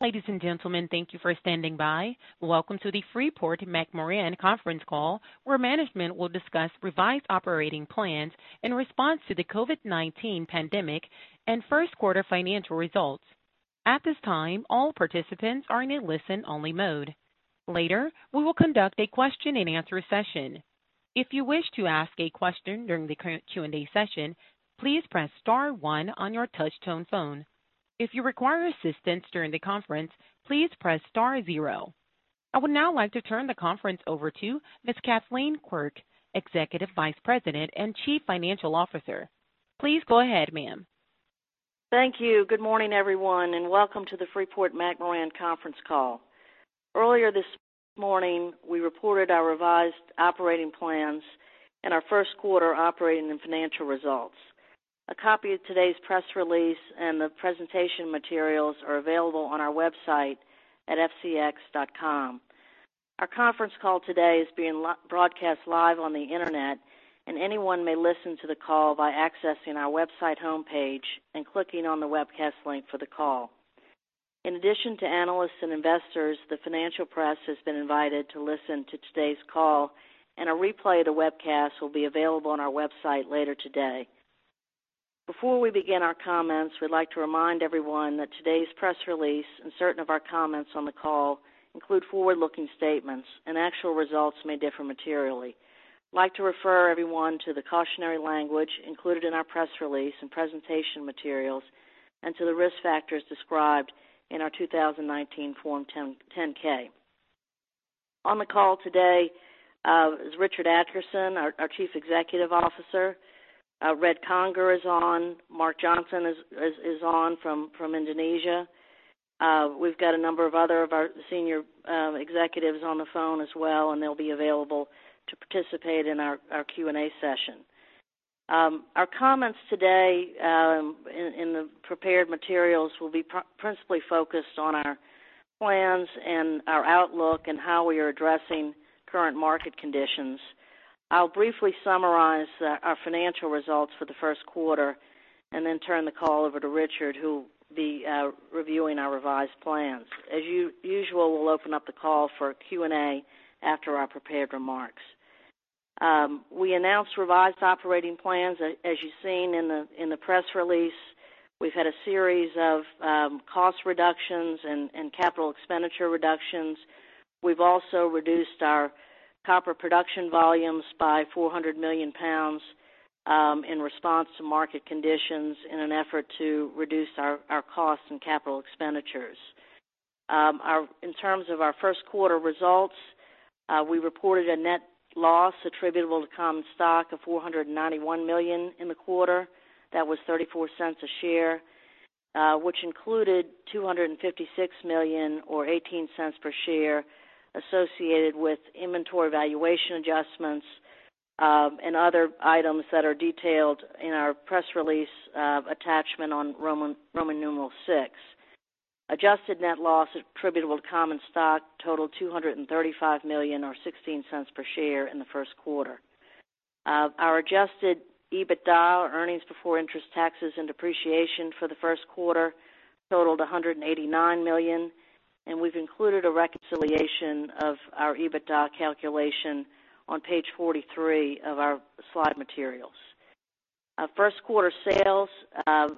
Ladies and gentlemen, thank you for standing by. Welcome to the Freeport-McMoRan conference call, where management will discuss revised operating plans in response to the COVID-19 pandemic and first quarter financial results. At this time, all participants are in a listen-only mode. Later, we will conduct a question-and-answer session. If you wish to ask a question during the Q&A session, please press star one on your touch-tone phone. If you require assistance during the conference, please press star zero. I would now like to turn the conference over to Ms. Kathleen Quirk, Executive Vice President and Chief Financial Officer. Please go ahead, ma'am. Thank you. Good morning, everyone, and welcome to the Freeport-McMoRan conference call. Earlier this morning, we reported our revised operating plans and our first quarter operating and financial results. A copy of today's press release and the presentation materials are available on our website at fcx.com. Our conference call today is being broadcast live on the internet, and anyone may listen to the call by accessing our website homepage and clicking on the webcast link for the call. In addition to analysts and investors, the financial press has been invited to listen to today's call, and a replay of the webcast will be available on our website later today. Before we begin our comments, we'd like to remind everyone that today's press release and certain of our comments on the call include forward-looking statements, and actual results may differ materially. I'd like to refer everyone to the cautionary language included in our press release and presentation materials and to the risk factors described in our 2019 Form 10-K. On the call today is Richard Adkerson, our Chief Executive Officer. Red Conger is on. Mark Johnson is on from Indonesia. We've got a number of other of our senior executives on the phone as well. They'll be available to participate in our Q&A session. Our comments today in the prepared materials will be principally focused on our plans and our outlook and how we are addressing current market conditions. I'll briefly summarize our financial results for the first quarter and then turn the call over to Richard, who will be reviewing our revised plans. As usual, we'll open up the call for Q&A after our prepared remarks. We announced revised operating plans, as you've seen in the press release. We've had a series of cost reductions and capital expenditure reductions. We've also reduced our copper production volumes by 400 million pounds in response to market conditions in an effort to reduce our costs and capital expenditures. In terms of our first quarter results, we reported a net loss attributable to common stock of $491 million in the quarter. That was $0.34 a share, which included $256 million or $0.18 per share associated with inventory valuation adjustments and other items that are detailed in our press release attachment on Roman numeral VI. Adjusted net loss attributable to common stock totaled $235 million or $0.16 per share in the first quarter. Our adjusted EBITDA, earnings before interest, taxes, and depreciation for the first quarter totaled $189 million, and we've included a reconciliation of our EBITDA calculation on page 43 of our slide materials. First quarter sales of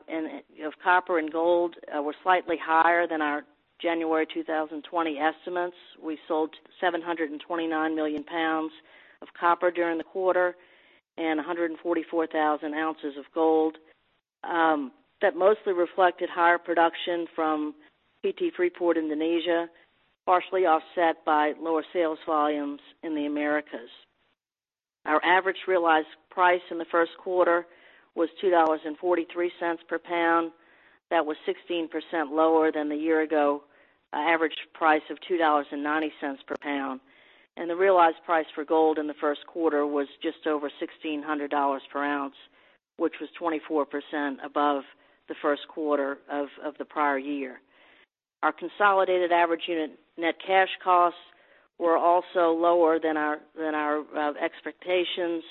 copper and gold were slightly higher than our January 2020 estimates. We sold 729 million pounds of copper during the quarter and 144,000 ounces of gold. That mostly reflected higher production from PT Freeport Indonesia, partially offset by lower sales volumes in the Americas. Our average realized price in the first quarter was $2.43 per pound. That was 16% lower than a year ago average price of $2.90 per pound. The realized price for gold in the first quarter was just over $1,600 per ounce, which was 24% above the first quarter of the prior year. Our consolidated average unit net cash costs were also lower than our expectations.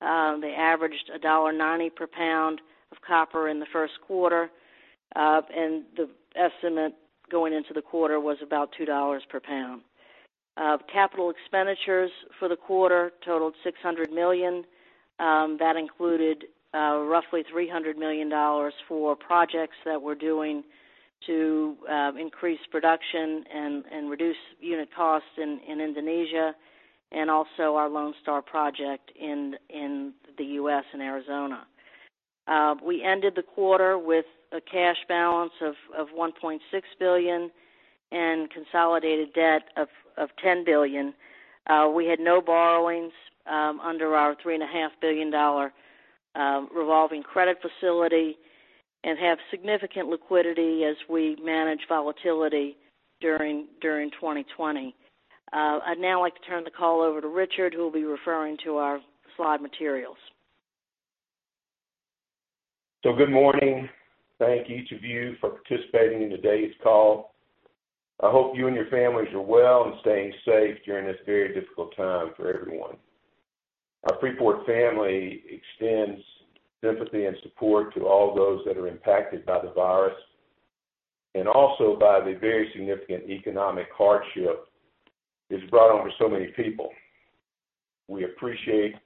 They averaged $1.90 per pound of copper in the first quarter. The estimate going into the quarter was about $2 per pound. Capital expenditures for the quarter totaled $600 million. That included roughly $300 million for projects that we're doing to increase production and reduce unit costs in Indonesia, also our Lone Star project in the U.S. and Arizona. We ended the quarter with a cash balance of $1.6 billion and consolidated debt of $10 billion. We had no borrowings under our $3.5 billion revolving credit facility and have significant liquidity as we manage volatility during 2020. I'd now like to turn the call over to Richard, who will be referring to our slide materials. Good morning. Thank each of you for participating in today's call. I hope you and your families are well and staying safe during this very difficult time for everyone. Our Freeport family extends sympathy and support to all those that are impacted by the virus and also by the very significant economic hardship it's brought on for so many people. We appreciate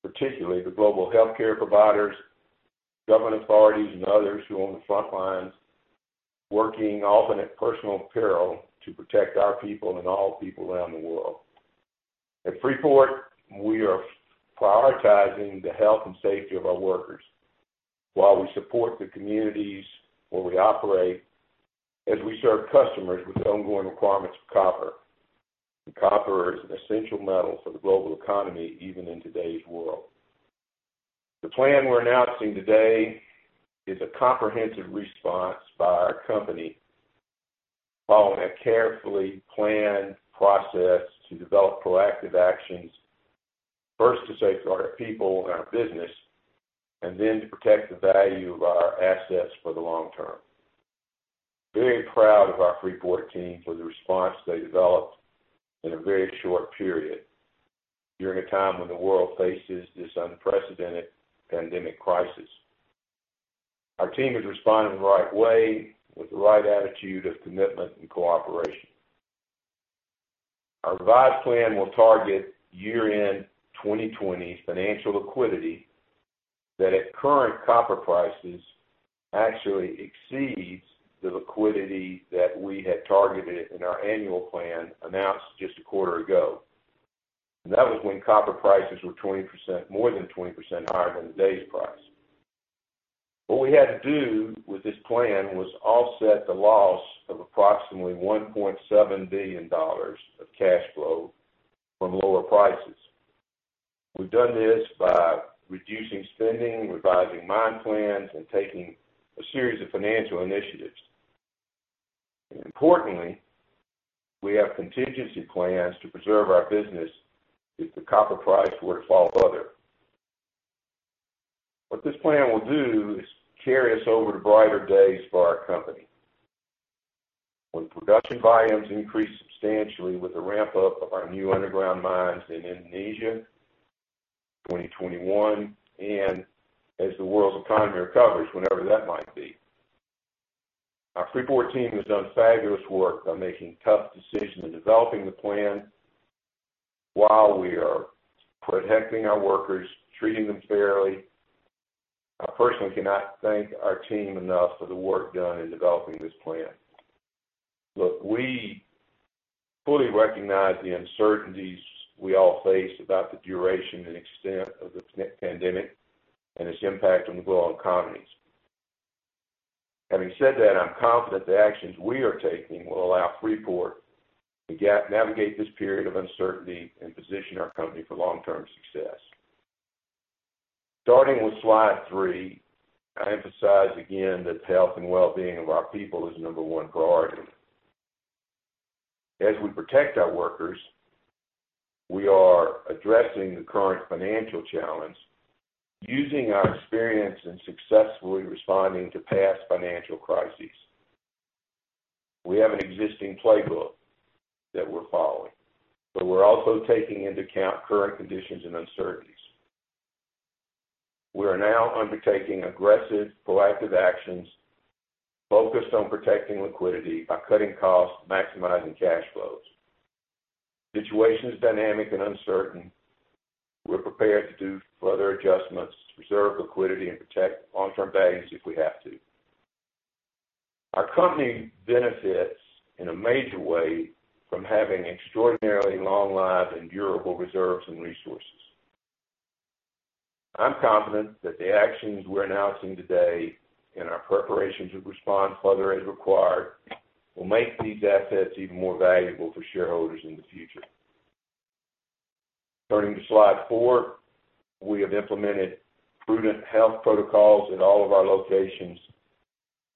particularly the global healthcare providers, government authorities, and others who are on the front lines, working often at personal peril to protect our people and all people around the world. At Freeport, we are prioritizing the health and safety of our workers while we support the communities where we operate as we serve customers with the ongoing requirements for copper. Copper is an essential metal for the global economy, even in today's world. The plan we're announcing today is a comprehensive response by our company following a carefully planned process to develop proactive actions, first to safeguard our people and our business, and then to protect the value of our assets for the long term. Very proud of our Freeport team for the response they developed in a very short period during a time when the world faces this unprecedented pandemic crisis. Our team is responding in the right way with the right attitude of commitment and cooperation. Our revised plan will target year-end 2020 financial liquidity that at current copper prices actually exceeds the liquidity that we had targeted in our annual plan announced just a quarter ago. That was when copper prices were more than 20% higher than today's price. What we had to do with this plan was offset the loss of approximately $1.7 billion of cash flow from lower prices. We've done this by reducing spending, revising mine plans, and taking a series of financial initiatives. Importantly, we have contingency plans to preserve our business if the copper price were to fall further. What this plan will do is carry us over to brighter days for our company when production volumes increase substantially with the ramp-up of our new underground mines in Indonesia, 2021, and as the world's economy recovers, whenever that might be. Our Freeport team has done fabulous work on making tough decisions and developing the plan while we are protecting our workers, treating them fairly. I personally cannot thank our team enough for the work done in developing this plan. We fully recognize the uncertainties we all face about the duration and extent of this pandemic and its impact on the global economies. Having said that, I'm confident the actions we are taking will allow Freeport to navigate this period of uncertainty and position our company for long-term success. Starting with slide three, I emphasize again that the health and well-being of our people is the number one priority. As we protect our workers, we are addressing the current financial challenge using our experience in successfully responding to past financial crises. We have an existing playbook that we're following. We're also taking into account current conditions and uncertainties. We are now undertaking aggressive, proactive actions focused on protecting liquidity by cutting costs, maximizing cash flows. The situation is dynamic and uncertain. We're prepared to do further adjustments to preserve liquidity and protect long-term values if we have to. Our company benefits in a major way from having extraordinarily long-lived and durable reserves and resources. I'm confident that the actions we're announcing today and our preparations to respond further as required will make these assets even more valuable for shareholders in the future. Turning to slide four, we have implemented prudent health protocols in all of our locations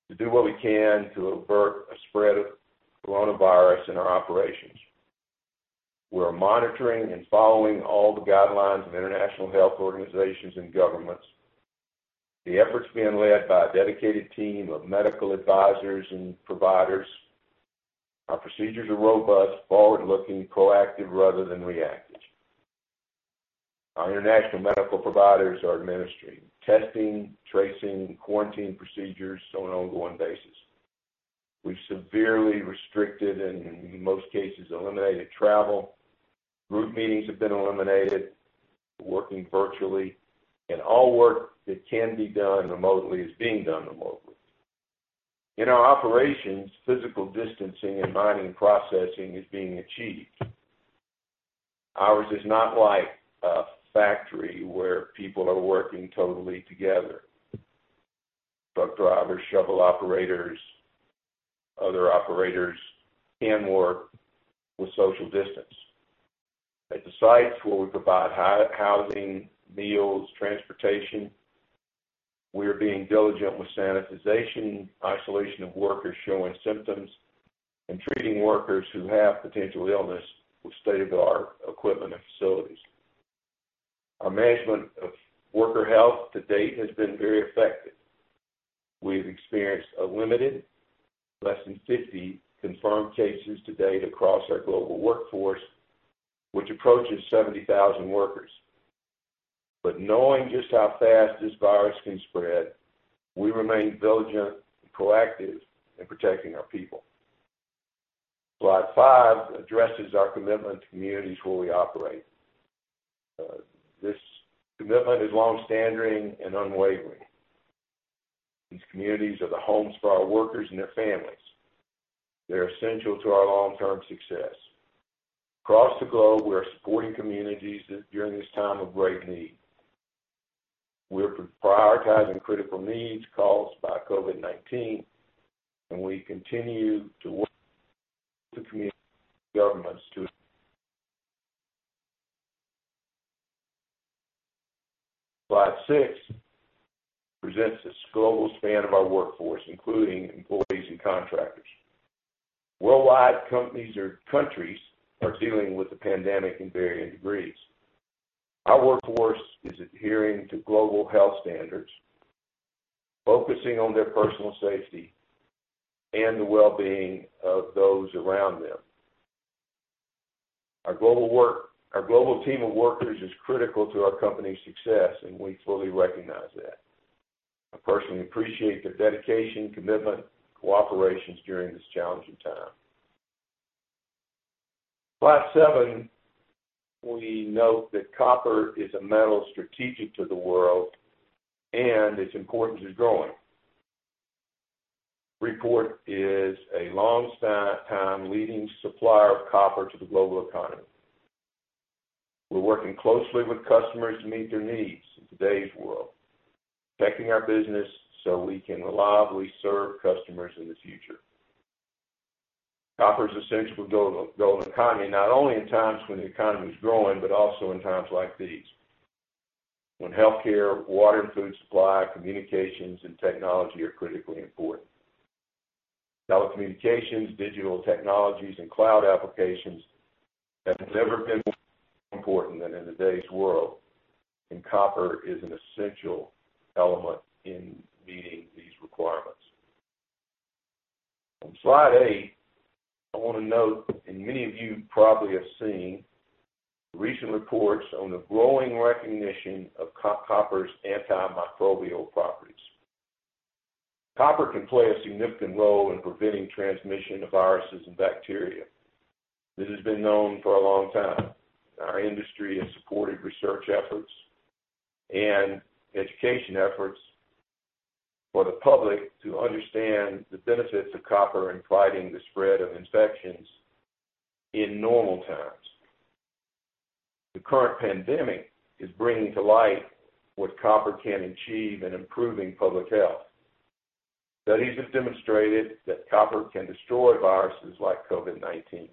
to do what we can to avert a spread of coronavirus in our operations. We are monitoring and following all the guidelines of international health organizations and governments. The effort's being led by a dedicated team of medical advisors and providers. Our procedures are robust, forward-looking, proactive rather than reactive. Our international medical providers are administering testing, tracing, quarantine procedures on an ongoing basis. We've severely restricted and in most cases eliminated travel. Group meetings have been eliminated. We're working virtually. All work that can be done remotely is being done remotely. In our operations, physical distancing and mining processing is being achieved. Ours is not like a factory where people are working totally together. Truck drivers, shovel operators, other operators can work with social distance. At the sites where we provide housing, meals, transportation, we are being diligent with sanitization, isolation of workers showing symptoms, and treating workers who have potential illness with state-of-the-art equipment and facilities. Our management of worker health to date has been very effective. We have experienced a limited, less than 50 confirmed cases to date across our global workforce, which approaches 70,000 workers. Knowing just how fast this virus can spread, we remain diligent and proactive in protecting our people. Slide five addresses our commitment to communities where we operate. This commitment is longstanding and unwavering. These communities are the homes for our workers and their families. They're essential to our long-term success. Across the globe, we are supporting communities during this time of great need. We're prioritizing critical needs caused by COVID-19, and we continue to work with community governments. Slide six presents this global span of our workforce, including employees and contractors. Worldwide companies or countries are dealing with the pandemic in varying degrees. Our workforce is adhering to global health standards, focusing on their personal safety and the wellbeing of those around them. Our global team of workers is critical to our company's success, and we fully recognize that. I personally appreciate their dedication, commitment, and cooperation during this challenging time. Slide seven, we note that copper is a metal strategic to the world, and its importance is growing. Freeport is a longtime leading supplier of copper to the global economy. We're working closely with customers to meet their needs in today's world, protecting our business so we can reliably serve customers in the future. Copper's essential to a global economy, not only in times when the economy is growing, but also in times like these, when healthcare, water and food supply, communications, and technology are critically important. Telecommunications, digital technologies, and cloud applications have never been more important than in today's world, and copper is an essential element in meeting these requirements. On slide eight, I want to note, and many of you probably have seen recent reports on the growing recognition of copper's antimicrobial properties. Copper can play a significant role in preventing transmission of viruses and bacteria. This has been known for a long time. Our industry has supported research efforts and education efforts for the public to understand the benefits of copper in fighting the spread of infections in normal times. The current pandemic is bringing to light what copper can achieve in improving public health. Studies have demonstrated that copper can destroy viruses like COVID-19.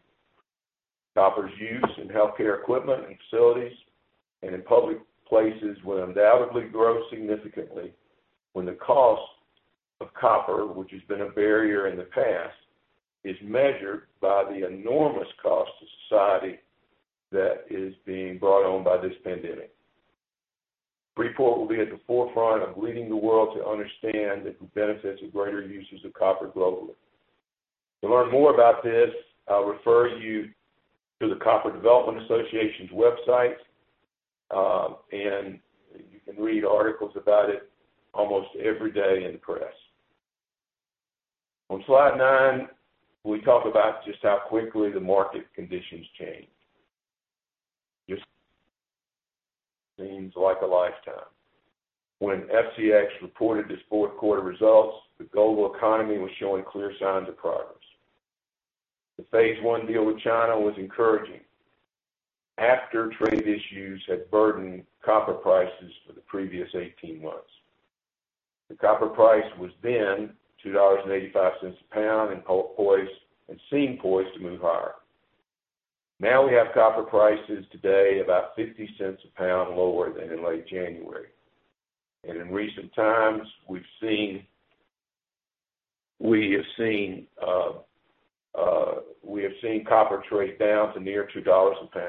Copper's use in healthcare equipment and facilities and in public places will undoubtedly grow significantly when the cost of copper, which has been a barrier in the past, is measured by the enormous cost to society that is being brought on by this pandemic. Freeport will be at the forefront of leading the world to understand the benefits of greater uses of copper globally. To learn more about this, I'll refer you to the Copper Development Association's website, and you can read articles about it almost every day in the press. On slide nine, we talk about just how quickly the market conditions changed. Just seems like a lifetime. When FCX reported its fourth quarter results, the global economy was showing clear signs of progress. The phase one deal with China was encouraging after trade issues had burdened copper prices for the previous 18 months. The copper price was then $2.85 a pound and seemed poised to move higher. We have copper prices today about $0.50 a pound lower than in late January. In recent times, we have seen copper trade down to near $2 a pound.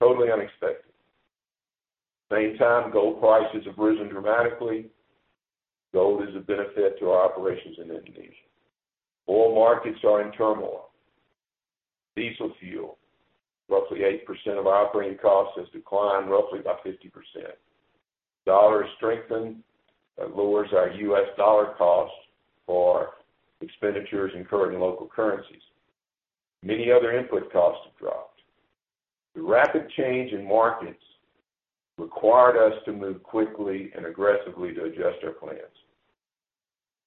Totally unexpected. Same time, gold prices have risen dramatically. Gold is a benefit to our operations in Indonesia. Oil markets are in turmoil. Diesel fuel, roughly 8% of operating costs, has declined roughly by 50%. U.S. dollar has strengthened. That lowers our U.S. dollar cost for expenditures incurred in local currencies. Many other input costs have dropped. The rapid change in markets required us to move quickly and aggressively to adjust our plans.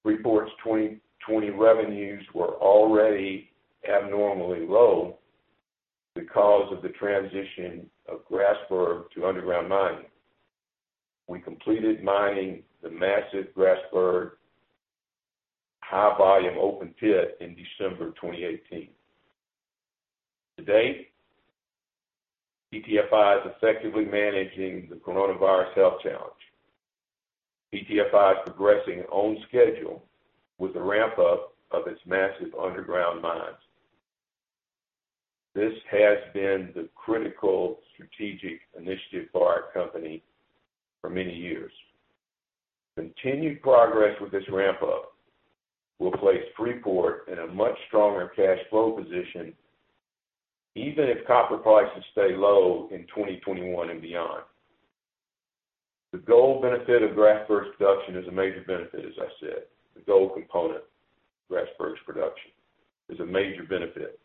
Freeport's 2020 revenues were already abnormally low because of the transition of Grasberg to underground mining. We completed mining the massive Grasberg high-volume open pit in December 2018. To date, PTFI is effectively managing the coronavirus health challenge. PTFI is progressing on schedule with the ramp-up of its massive underground mines. This has been the critical strategic initiative for our company for many years. Continued progress with this ramp-up will place Freeport in a much stronger cash flow position even if copper prices stay low in 2021 and beyond. The gold benefit of Grasberg's production is a major benefit, as I said. The gold component of Grasberg's production is a major benefit.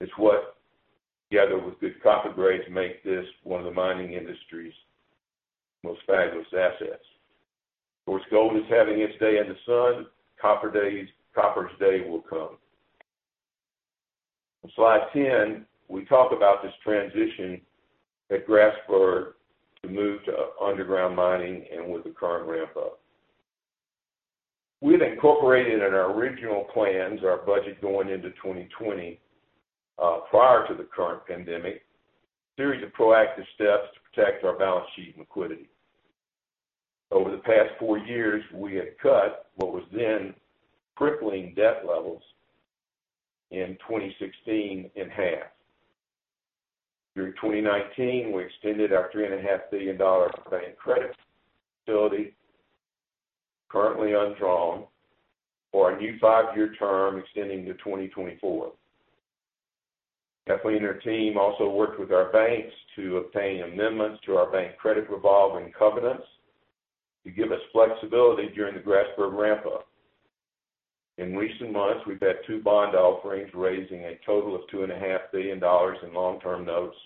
It's what, together with good copper grades, make this one of the mining industry's most fabulous assets. Of course, gold is having its day in the sun, copper's day will come. On slide 10, we talk about this transition at Grasberg to move to underground mining and with the current ramp-up. We've incorporated in our original plans, our budget going into 2020, prior to the current pandemic, a series of proactive steps to protect our balance sheet and liquidity. Over the past four years, we had cut what was then crippling debt levels in 2016 in half. Through 2019, we extended our $3.5 billion bank credit facility, currently undrawn, for a new five-year term extending to 2024. Kathleen and her team also worked with our banks to obtain amendments to our bank credit revolving covenants to give us flexibility during the Grasberg ramp-up. In recent months, we've had two bond offerings, raising a total of $2.5 billion in long-term notes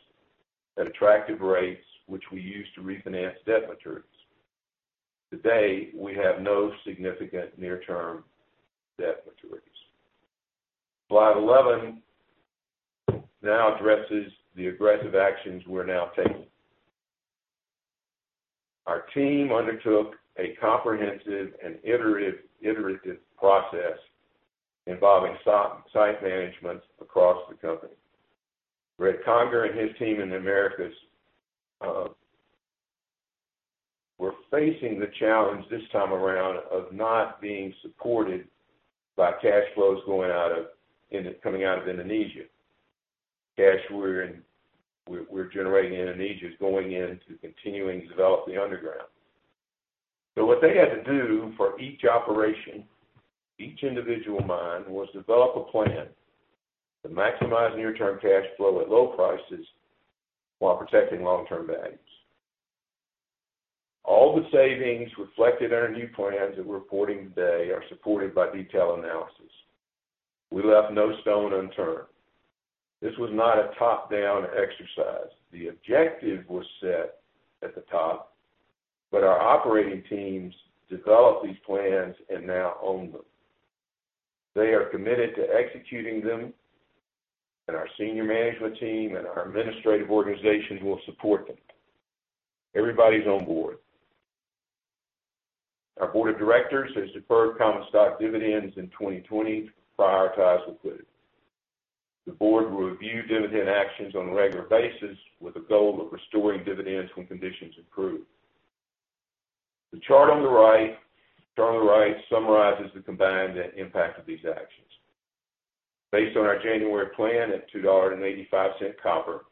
at attractive rates, which we used to refinance debt matures. To date, we have no significant near-term debt maturities. Slide 11 now addresses the aggressive actions we're now taking. Our team undertook a comprehensive and iterative process involving site management across the company. Red Conger and his team in the Americas were facing the challenge this time around of not being supported by cash flows coming out of Indonesia. Cash we're generating in Indonesia is going into continuing to develop the underground. What they had to do for each operation, each individual mine, was develop a plan to maximize near-term cash flow at low prices while protecting long-term values. All the savings reflected in our new plans that we're reporting today are supported by detailed analysis. We left no stone unturned. This was not a top-down exercise. The objective was set at the top, our operating teams developed these plans and now own them. They are committed to executing them, our senior management team and our administrative organizations will support them. Everybody's on board. Our board of directors has deferred common stock dividends in 2020 to prioritize liquidity. The board will review dividend actions on a regular basis with a goal of restoring dividends when conditions improve. The chart on the right summarizes the combined net impact of these actions. Based on our January plan at $2.85 copper,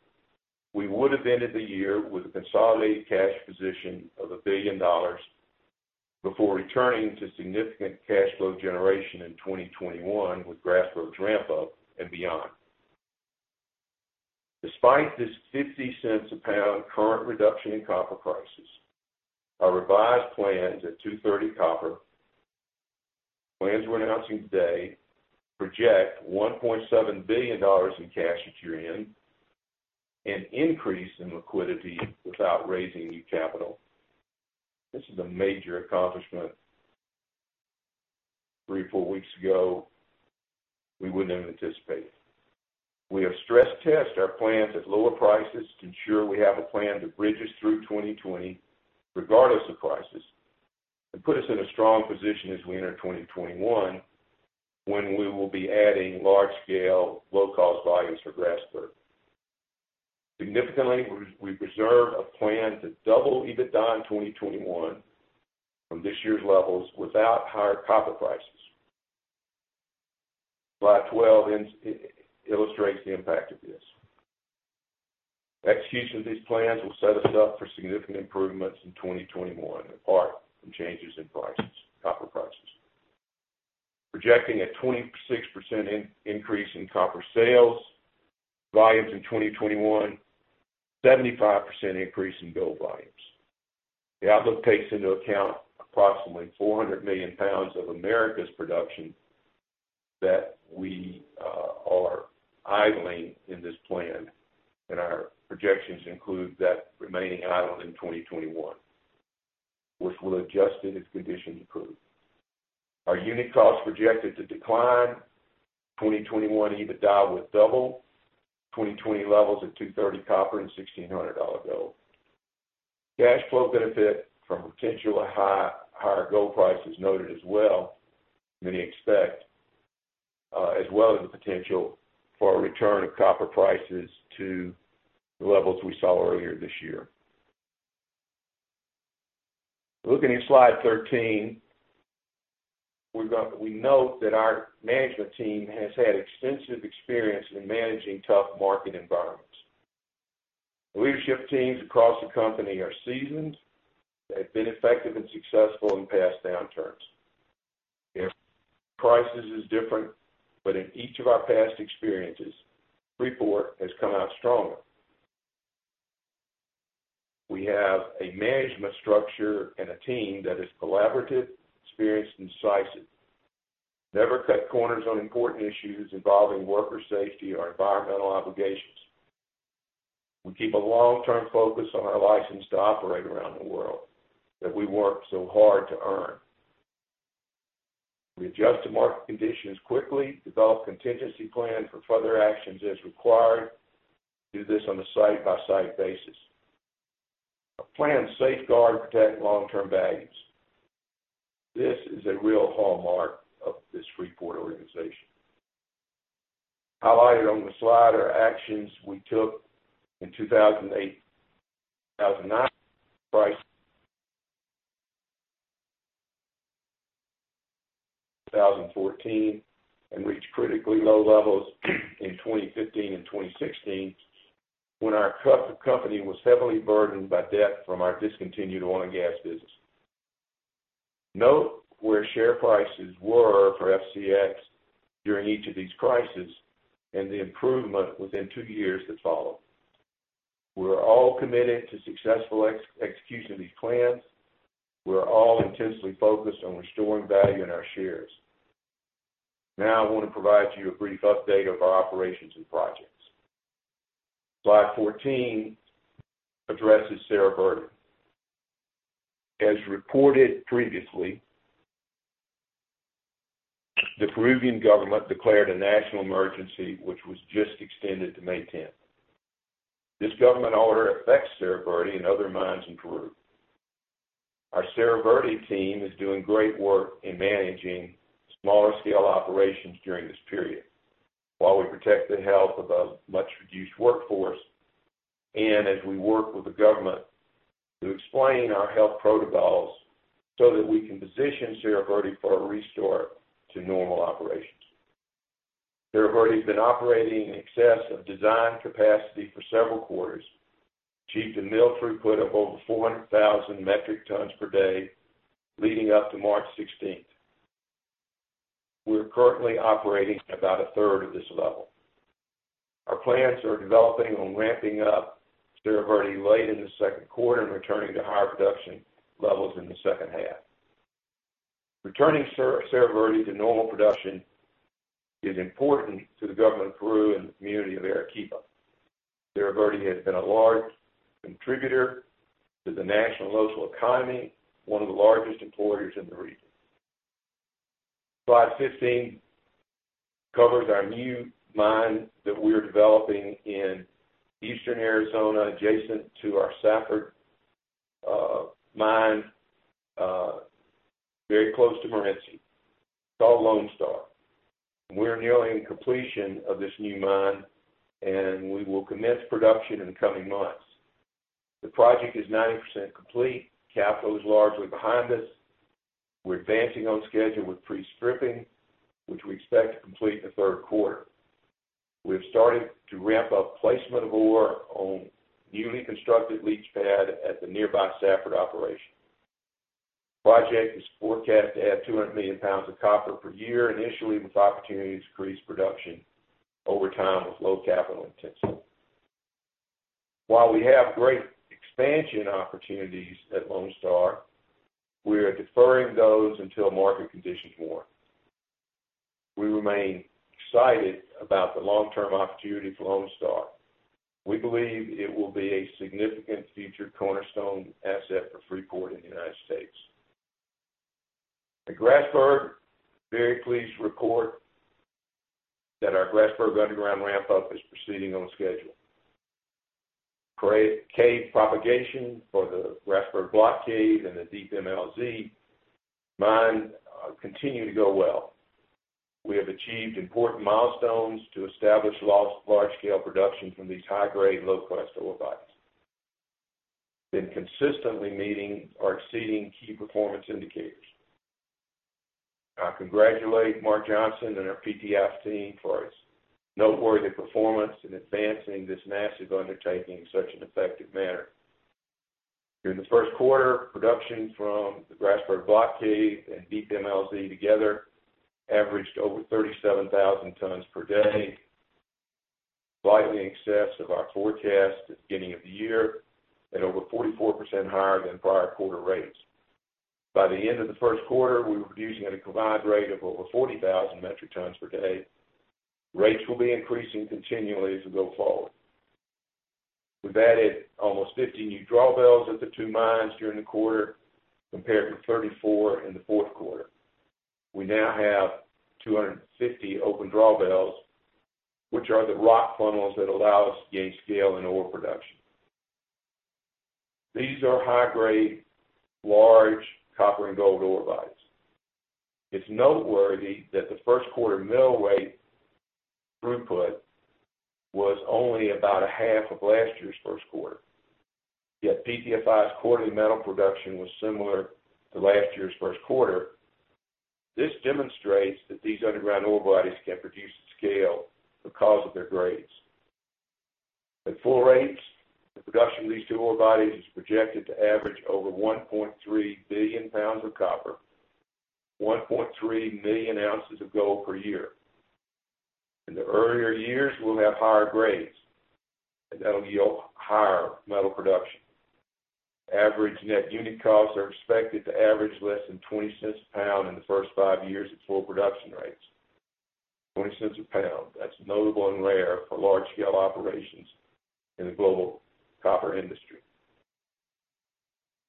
we would have ended the year with a consolidated cash position of $1 billion before returning to significant cash flow generation in 2021 with Grasberg's ramp-up and beyond. Despite this $0.50 a pound current reduction in copper prices, our revised plans at $2.30 copper, plans we're announcing today project $1.7 billion in cash at year-end, an increase in liquidity without raising new capital. This is a major accomplishment. Three, four weeks ago, we wouldn't have anticipated it. We have stress-tested our plans at lower prices to ensure we have a plan that bridges through 2020 regardless of prices, and put us in a strong position as we enter 2021 when we will be adding large-scale, low-cost volumes for Grasberg. Significantly, we preserve a plan to double EBITDA in 2021 from this year's levels without higher copper prices. Slide 12 illustrates the impact of this. Execution of these plans will set us up for significant improvements in 2021 apart from changes in prices, copper prices. Projecting a 26% increase in copper sales volumes in 2021, 75% increase in gold volumes. The outlook takes into account approximately 400 million pounds of Americas production that we are idling in this plan, and our projections include that remaining idle in 2021, which we'll adjust it as conditions improve. Our unit cost projected to decline, 2021 EBITDA will double 2020 levels at $2.30 copper and $1,600 gold. Cash flow benefit from potential higher gold prices noted as well, as well as the potential for a return of copper prices to the levels we saw earlier this year. Looking at slide 13, we note that our management team has had extensive experience in managing tough market environments. Leadership teams across the company are seasoned. They've been effective and successful in past downturns. Every crisis is different, in each of our past experiences, Freeport has come out stronger. We have a management structure and a team that is collaborative, experienced, and decisive. Never cut corners on important issues involving worker safety or environmental obligations. We keep a long-term focus on our license to operate around the world that we work so hard to earn. We adjust to market conditions quickly, develop contingency plans for further actions as required. Do this on a site-by-site basis. Our plans safeguard and protect long-term values. This is a real hallmark of this Freeport organization. Highlighted on the slide are actions we took in 2008-2009 price 2014, and reached critically low levels in 2015 and 2016, when our company was heavily burdened by debt from our discontinued oil and gas business. Note where share prices were for FCX during each of these crises, and the improvement within two years that followed. We're all committed to successful execution of these plans. We're all intensely focused on restoring value in our shares. I want to provide you a brief update of our operations and projects. Slide 14 addresses Cerro Verde. As reported previously, the Peruvian government declared a national emergency which was just extended to May 10th. This government order affects Cerro Verde and other mines in Peru. Our Cerro Verde team is doing great work in managing smaller scale operations during this period while we protect the health of a much-reduced workforce, and as we work with the government to explain our health protocols so that we can position Cerro Verde for a restart to normal operations. Cerro Verde has been operating in excess of design capacity for several quarters, achieved a mill throughput of over 400,000 metric tons per day leading up to March 16th. We're currently operating at about a third of this level. Our plans are developing on ramping up Cerro Verde late in the second quarter and returning to higher production levels in the second half. Returning Cerro Verde to normal production is important to the government of Peru and the community of Arequipa. Cerro Verde has been a large contributor to the national and local economy, one of the largest employers in the region. Slide 15 covers our new mine that we're developing in Eastern Arizona, adjacent to our Safford mine, very close to Morenci. It's called Lone Star. We're nearing completion of this new mine, and we will commence production in the coming months. The project is 90% complete. Capital is largely behind us. We're advancing on schedule with pre-stripping, which we expect to complete in the third quarter. We've started to ramp up placement of ore on newly constructed leach pad at the nearby Safford operation. Project is forecast to add 200 million pounds of copper per year initially, with opportunities to increase production over time with low capital intensity. While we have great expansion opportunities at Lone Star, we are deferring those until market conditions warrant. We remain excited about the long-term opportunity for Lone Star. We believe it will be a significant future cornerstone asset for Freeport in the U.S. At Grasberg, very pleased to report that our Grasberg underground ramp-up is proceeding on schedule. Cave propagation for the Grasberg Block Cave and the Deep MLZ mine continue to go well. We have achieved important milestones to establish large scale production from these high-grade, low-cost ore bodies. We have been consistently meeting or exceeding key performance indicators. I congratulate Mark Johnson and our PTFI team for its noteworthy performance in advancing this massive undertaking in such an effective manner. During the first quarter, production from the Grasberg Block Cave and Deep MLZ together averaged over 37,000 tons per day, slightly in excess of our forecast at the beginning of the year, and over 44% higher than prior quarter rates. By the end of the first quarter, we were producing at a combined rate of over 40,000 metric tons per day. Rates will be increasing continually as we go forward. We've added almost 50 new drawbells at the two mines during the quarter, compared to 34 in the fourth quarter. We now have 250 open drawbells, which are the rock funnels that allow us to gain scale in ore production. These are high-grade, large copper and gold ore bodies. It's noteworthy that the first quarter mill-weight throughput was only about a half of last year's first quarter, yet PTFI's quarterly metal production was similar to last year's first quarter. This demonstrates that these underground ore bodies can produce at scale because of their grades. At full rates, the production of these two ore bodies is projected to average over 1.3 billion pounds of copper, 1.3 million ounces of gold per year. In the earlier years, we'll have higher grades, and that'll yield higher metal production. Average net unit costs are expected to average less than $0.20 a pound in the first five years at full production rates. $0.20 a pound. That's notable and rare for large-scale operations in the global copper industry.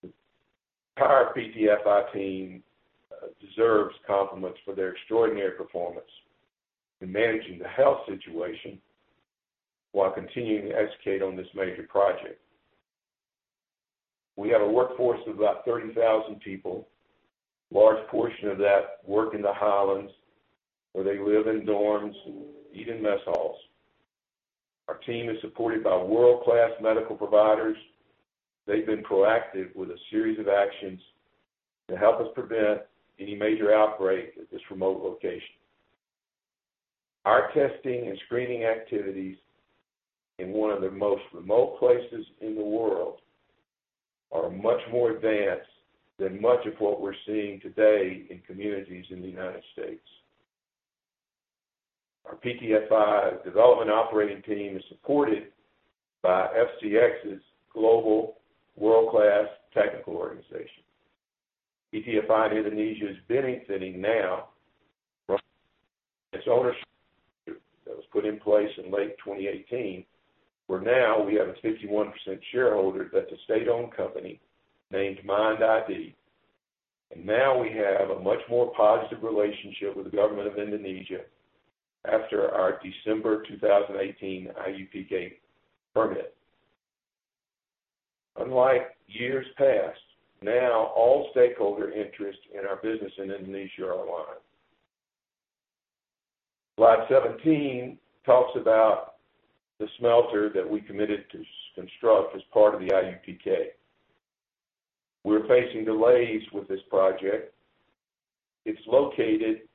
The entire PTFI team deserves compliments for their extraordinary performance in managing the health situation while continuing to execute on this major project. We have a workforce of about 30,000 people. A large portion of that work in the Highlands, where they live in dorms and eat in mess halls. Our team is supported by world-class medical providers. They've been proactive with a series of actions to help us prevent any major outbreak at this remote location. Our testing and screening activities in one of the most remote places in the world are much more advanced than much of what we're seeing today in communities in the United States. Our PTFI development operating team is supported by FCX's global world-class technical organization. PTFI Indonesia is benefiting now from its ownership that was put in place in late 2018, where now we have a 51% shareholder that's a state-owned company named MIND ID. Now we have a much more positive relationship with the government of Indonesia after our December 2018 IUPK permit. Unlike years past, now all stakeholder interests in our business in Indonesia are aligned. Slide 17 talks about the smelter that we committed to construct as part of the IUPK. We're facing delays with this project. It's located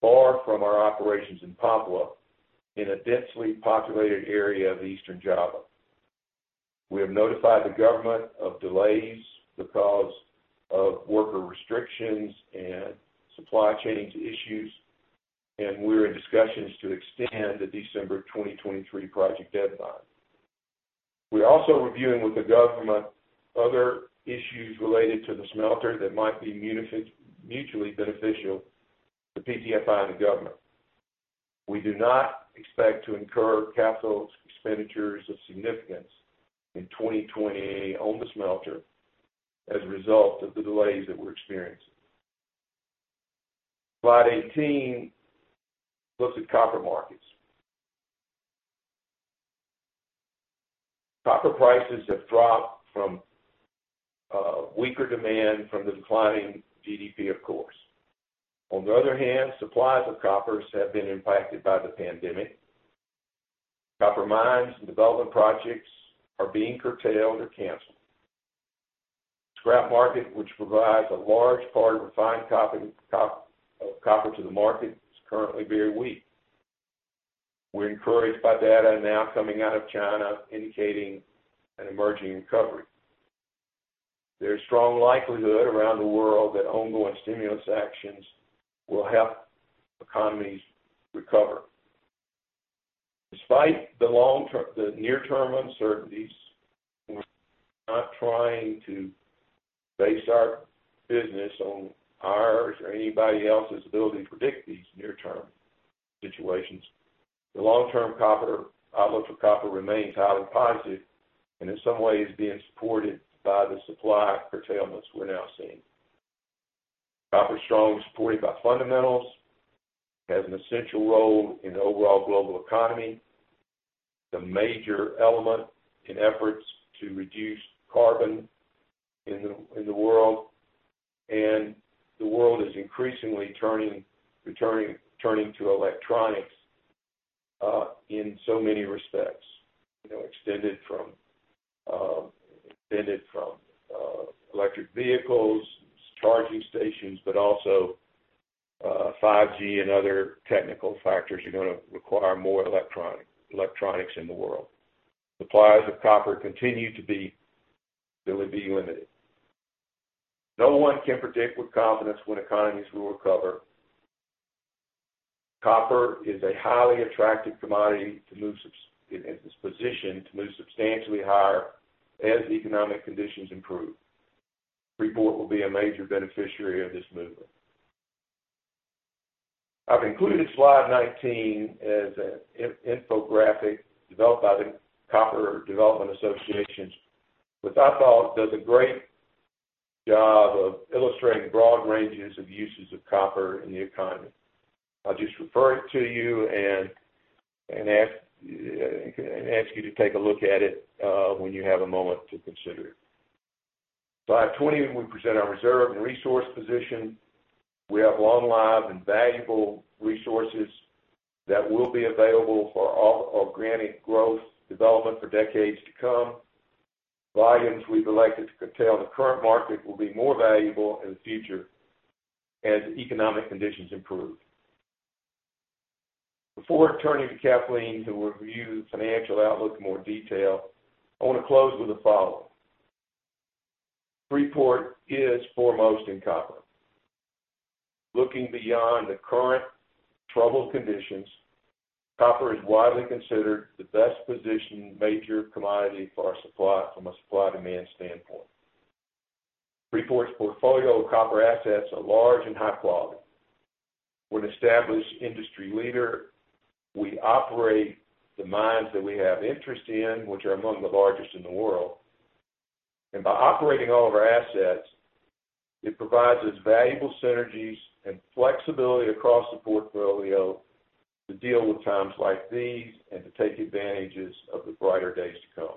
far from our operations in Papua, in a densely populated area of Eastern Java. We have notified the government of delays because of worker restrictions and supply chains issues. We're in discussions to extend the December 2023 project deadline. We're also reviewing with the government other issues related to the smelter that might be mutually beneficial to PTFI and the government. We do not expect to incur capital expenditures of significance in 2028 on the smelter as a result of the delays that we're experiencing. Slide 18 looks at copper markets. Copper prices have dropped from weaker demand from the declining GDP, of course. On the other hand, supplies of copper have been impacted by the pandemic. Copper mines and development projects are being curtailed or canceled. Scrap market, which provides a large part of refined copper to the market, is currently very weak. We're encouraged by data now coming out of China indicating an emerging recovery. There is strong likelihood around the world that ongoing stimulus actions will help economies recover. Despite the near-term uncertainties, we're not trying to base our business on ours or anybody else's ability to predict these near-term situations. The long-term outlook for copper remains highly positive and in some ways being supported by the supply curtailments we're now seeing. Copper is strongly supported by fundamentals. It has an essential role in the overall global economy. It's a major element in efforts to reduce carbon in the world, and the world is increasingly turning to electronics, in so many respects. Extended from electric vehicles, charging stations, but also 5G and other technical factors are going to require more electronics in the world. Supplies of copper continue to be limited. No one can predict with confidence when economies will recover. Copper is a highly attractive commodity, and it's positioned to move substantially higher as economic conditions improve. Freeport will be a major beneficiary of this movement. I've included slide 19 as an infographic developed by the Copper Development Association, which I thought does a great job of illustrating broad ranges of uses of copper in the economy. I'll just refer it to you and ask you to take a look at it when you have a moment to consider it. Slide 20, we present our reserve and resource position. We have long live and valuable resources that will be available for organic growth development for decades to come. Volumes we've elected to curtail in the current market will be more valuable in the future as economic conditions improve. Before turning to Kathleen, who will review the financial outlook in more detail, I want to close with the following. Freeport is foremost in copper. Looking beyond the current troubled conditions, copper is widely considered the best positioned major commodity from a supply-demand standpoint. Freeport’s portfolio of copper assets are large and high quality. We’re an established industry leader. We operate the mines that we have interest in, which are among the largest in the world. By operating all of our assets, it provides us valuable synergies and flexibility across the portfolio to deal with times like these and to take advantage of the brighter days to come.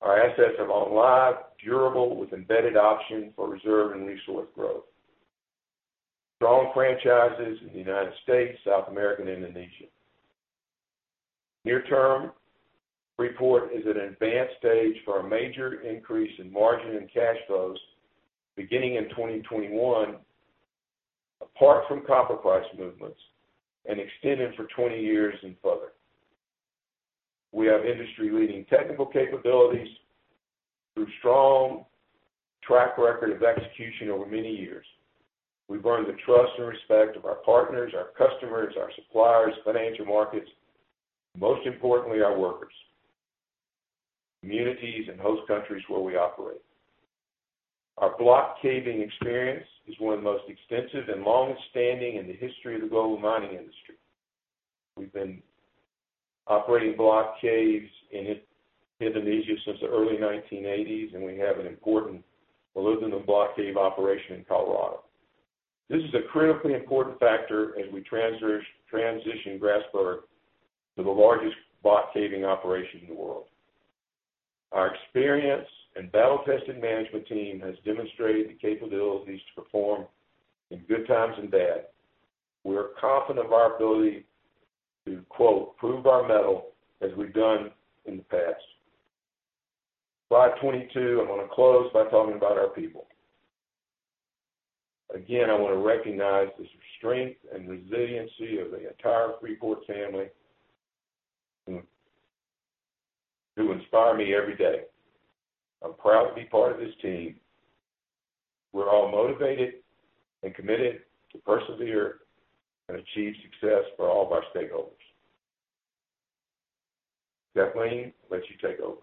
Our assets are long-lived, durable, with embedded option for reserve and resource growth. Strong franchises in the U.S., South America, and Indonesia. Near term, Freeport is at an advanced stage for a major increase in margin and cash flows beginning in 2021, apart from copper price movements and extending for 20 years and further. We have industry-leading technical capabilities through strong track record of execution over many years. We've earned the trust and respect of our partners, our customers, our suppliers, financial markets, most importantly, our workers, communities in host countries where we operate. Our block caving experience is one of the most extensive and longstanding in the history of the global mining industry. We've been operating block caves in Indonesia since the early 1980s, and we have an important molybdenum block cave operation in Colorado. This is a critically important factor as we transition Grasberg to the largest block caving operation in the world. Our experienced and battle-tested management team has demonstrated the capabilities to perform in good times and bad. We're confident of our ability to, quote, "prove our mettle" as we've done in the past. Slide 22. I'm going to close by talking about our people. Again, I want to recognize the strength and resiliency of the entire Freeport family who inspire me every day. I'm proud to be part of this team. We're all motivated and committed to persevere and achieve success for all of our stakeholders. Kathleen, I'll let you take over.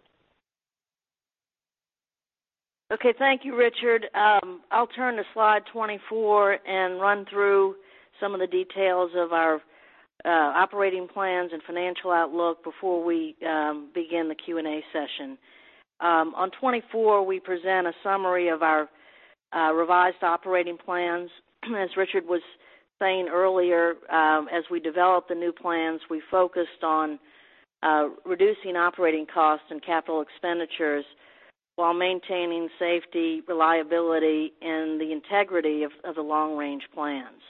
Okay. Thank you, Richard. I'll turn to slide 24 and run through some of the details of our operating plans and financial outlook before we begin the Q&A session. On 24, we present a summary of our revised operating plans. As Richard was saying earlier, as we developed the new plans, we focused on reducing operating costs and capital expenditures while maintaining safety, reliability, and the integrity of the long-range plans.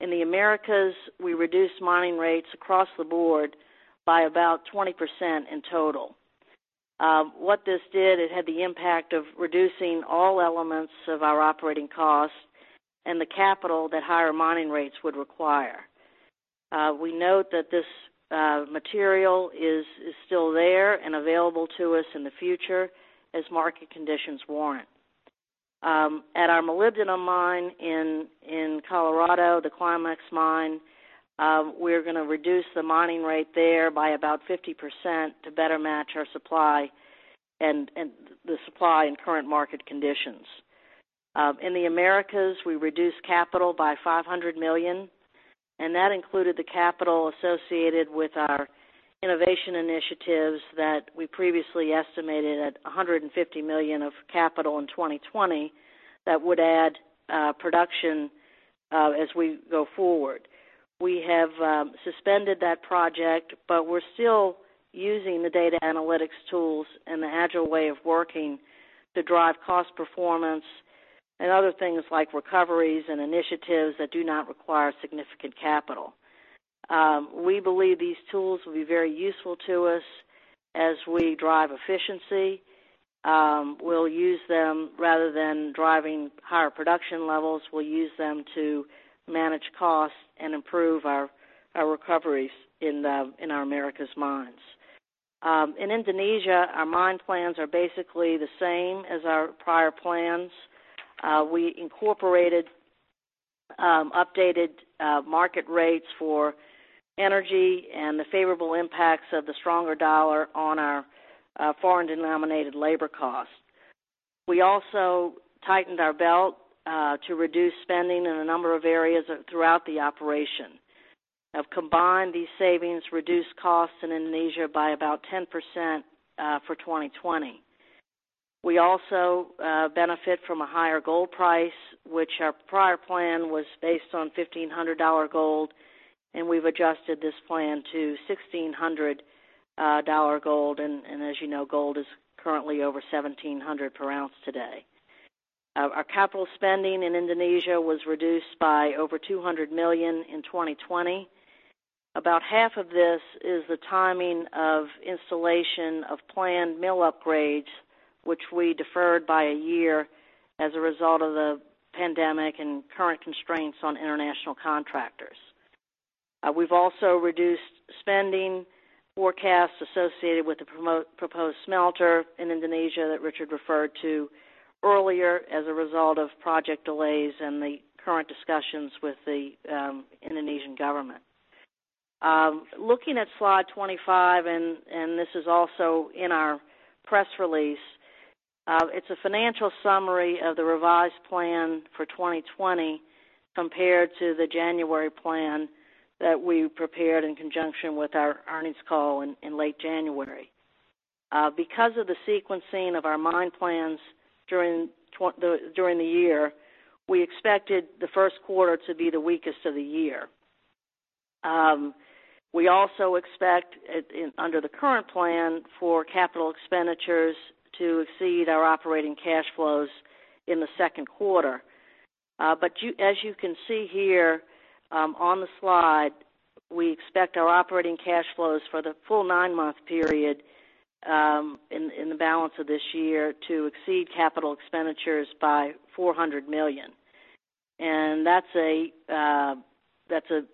In the Americas, we reduced mining rates across the board by about 20% in total. What this did, it had the impact of reducing all elements of our operating costs and the capital that higher mining rates would require. We note that this material is still there and available to us in the future as market conditions warrant. At our molybdenum mine in Colorado, the Climax mine, we're going to reduce the mining rate there by about 50% to better match our supply and current market conditions. That included the capital associated with our innovation initiatives that we previously estimated at $150 million of capital in 2020 that would add production as we go forward. We have suspended that project, We're still using the data analytics tools and the agile way of working to drive cost performance and other things like recoveries and initiatives that do not require significant capital. We believe these tools will be very useful to us as we drive efficiency. Rather than driving higher production levels, we'll use them to manage costs and improve our recoveries in our Americas mines. In Indonesia, our mine plans are basically the same as our prior plans. We incorporated updated market rates for energy and the favorable impacts of the stronger dollar on our foreign-denominated labor costs. We also tightened our belt to reduce spending in a number of areas throughout the operation. Combined, these savings reduced costs in Indonesia by about 10% for 2020. We also benefit from a higher gold price, which our prior plan was based on $1,500 gold, and we've adjusted this plan to $1,600 gold. As you know, gold is currently over $1,700 per ounce today. Our capital spending in Indonesia was reduced by over $200 million in 2020. About half of this is the timing of installation of planned mill upgrades, which we deferred by a year as a result of the pandemic and current constraints on international contractors. We've also reduced spending forecasts associated with the proposed smelter in Indonesia that Richard referred to earlier as a result of project delays and the current discussions with the Indonesian government. Looking at slide 25, this is also in our press release. It's a financial summary of the revised plan for 2020 compared to the January plan that we prepared in conjunction with our earnings call in late January. Because of the sequencing of our mine plans during the year, we expected the first quarter to be the weakest of the year. We also expect, under the current plan, for capital expenditures to exceed our operating cash flows in the second quarter. As you can see here on the slide, we expect our operating cash flows for the full nine-month period in the balance of this year to exceed capital expenditures by $400 million. That's a $200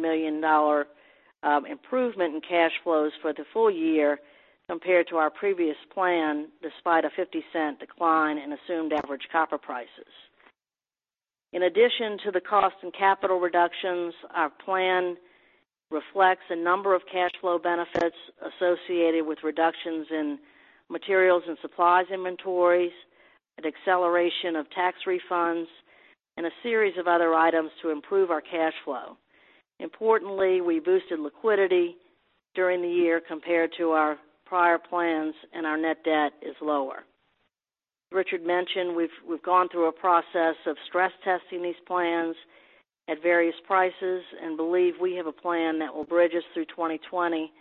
million improvement in cash flows for the full year compared to our previous plan, despite a $0.50 decline in assumed average copper prices. In addition to the cost and capital reductions, our plan reflects a number of cash flow benefits associated with reductions in materials and supplies inventories, an acceleration of tax refunds, and a series of other items to improve our cash flow. Importantly, we boosted liquidity during the year compared to our prior plans, and our net debt is lower. Richard mentioned we've gone through a process of stress testing these plans at various prices and believe we have a plan that will bridge us through 2020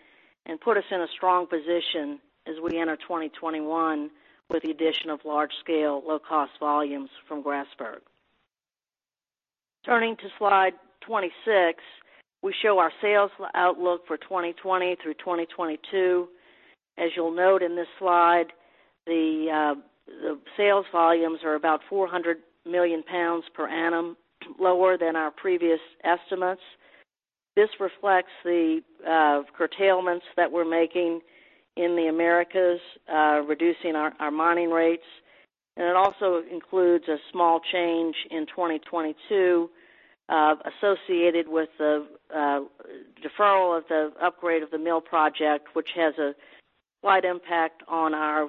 and put us in a strong position as we enter 2021 with the addition of large-scale, low-cost volumes from Grasberg. Turning to slide 26, we show our sales outlook for 2020 through 2022. As you'll note in this slide, the sales volumes are about 400 million pounds per annum lower than our previous estimates. This reflects the curtailments that we're making in the Americas, reducing our mining rates, and it also includes a small change in 2022 associated with the deferral of the upgrade of the mill project, which has a slight impact on our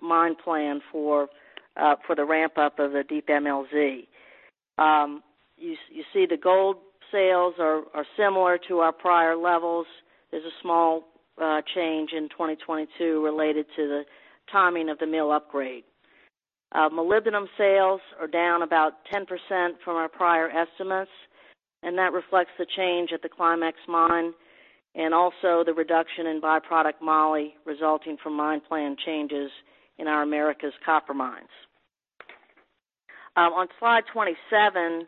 mine plan for the ramp-up of the deep MLZ. You see the gold sales are similar to our prior levels. There's a small change in 2022 related to the timing of the mill upgrade. Molybdenum sales are down about 10% from our prior estimates, and that reflects the change at the Climax mine and also the reduction in byproduct moly resulting from mine plan changes in our Americas copper mines. On slide 27,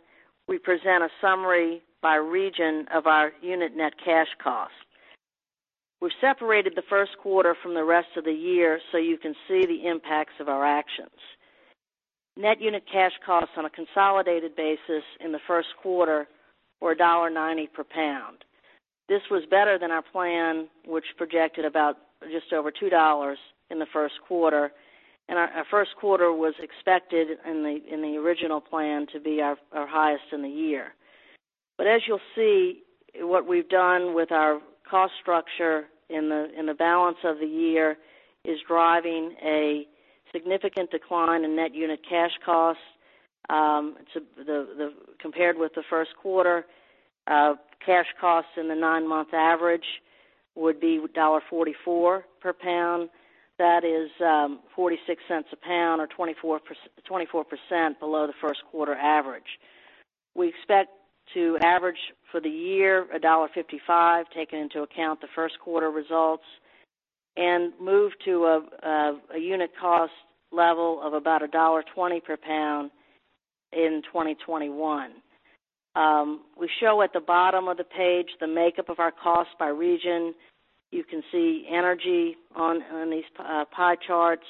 we present a summary by region of our unit net cash cost. We've separated the first quarter from the rest of the year so you can see the impacts of our actions. Net unit cash costs on a consolidated basis in the first quarter were $1.90 per pound. This was better than our plan, which projected about just over $2 in the first quarter. Our first quarter was expected in the original plan to be our highest in the year. As you'll see, what we've done with our cost structure in the balance of the year is driving a significant decline in net unit cash costs compared with the first quarter. Cash costs in the nine-month average would be $1.44 per pound. That is $0.46 a pound or 24% below the first quarter average. We expect to average for the year $1.55, taking into account the first quarter results, and move to a unit cost level of about $1.20 per pound in 2021. We show at the bottom of the page the makeup of our cost by region. You can see energy on these pie charts,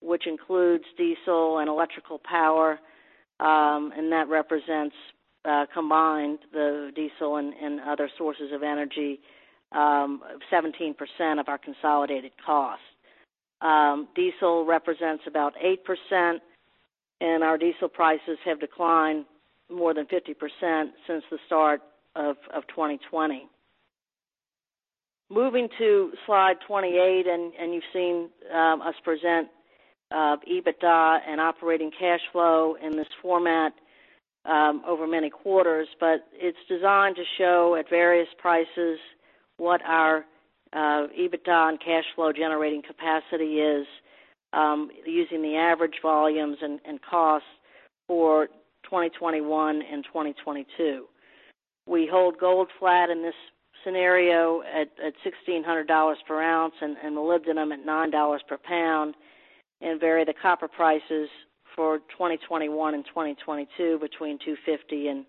which includes diesel and electrical power. That represents, combined, the diesel and other sources of energy, 17% of our consolidated cost. Diesel represents about 8%, and our diesel prices have declined more than 50% since the start of 2020. Moving to slide 28, you've seen us present EBITDA and operating cash flow in this format over many quarters, but it's designed to show at various prices what our EBITDA and cash flow generating capacity is using the average volumes and costs for 2021 and 2022. We hold gold flat in this scenario at $1,600 per ounce and molybdenum at $9 per pound, vary the copper prices for 2021 and 2022 between $250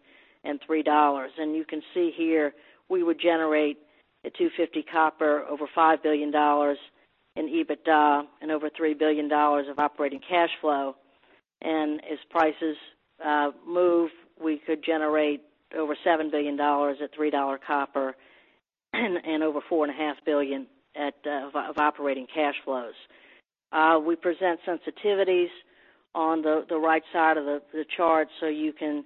and $3. You can see here we would generate, at $250 copper, over $5 billion in EBITDA and over $3 billion of operating cash flow. As prices move, we could generate over $7 billion at $3 copper and over $4.5 billion of operating cash flows. We present sensitivities on the right side of the chart so you can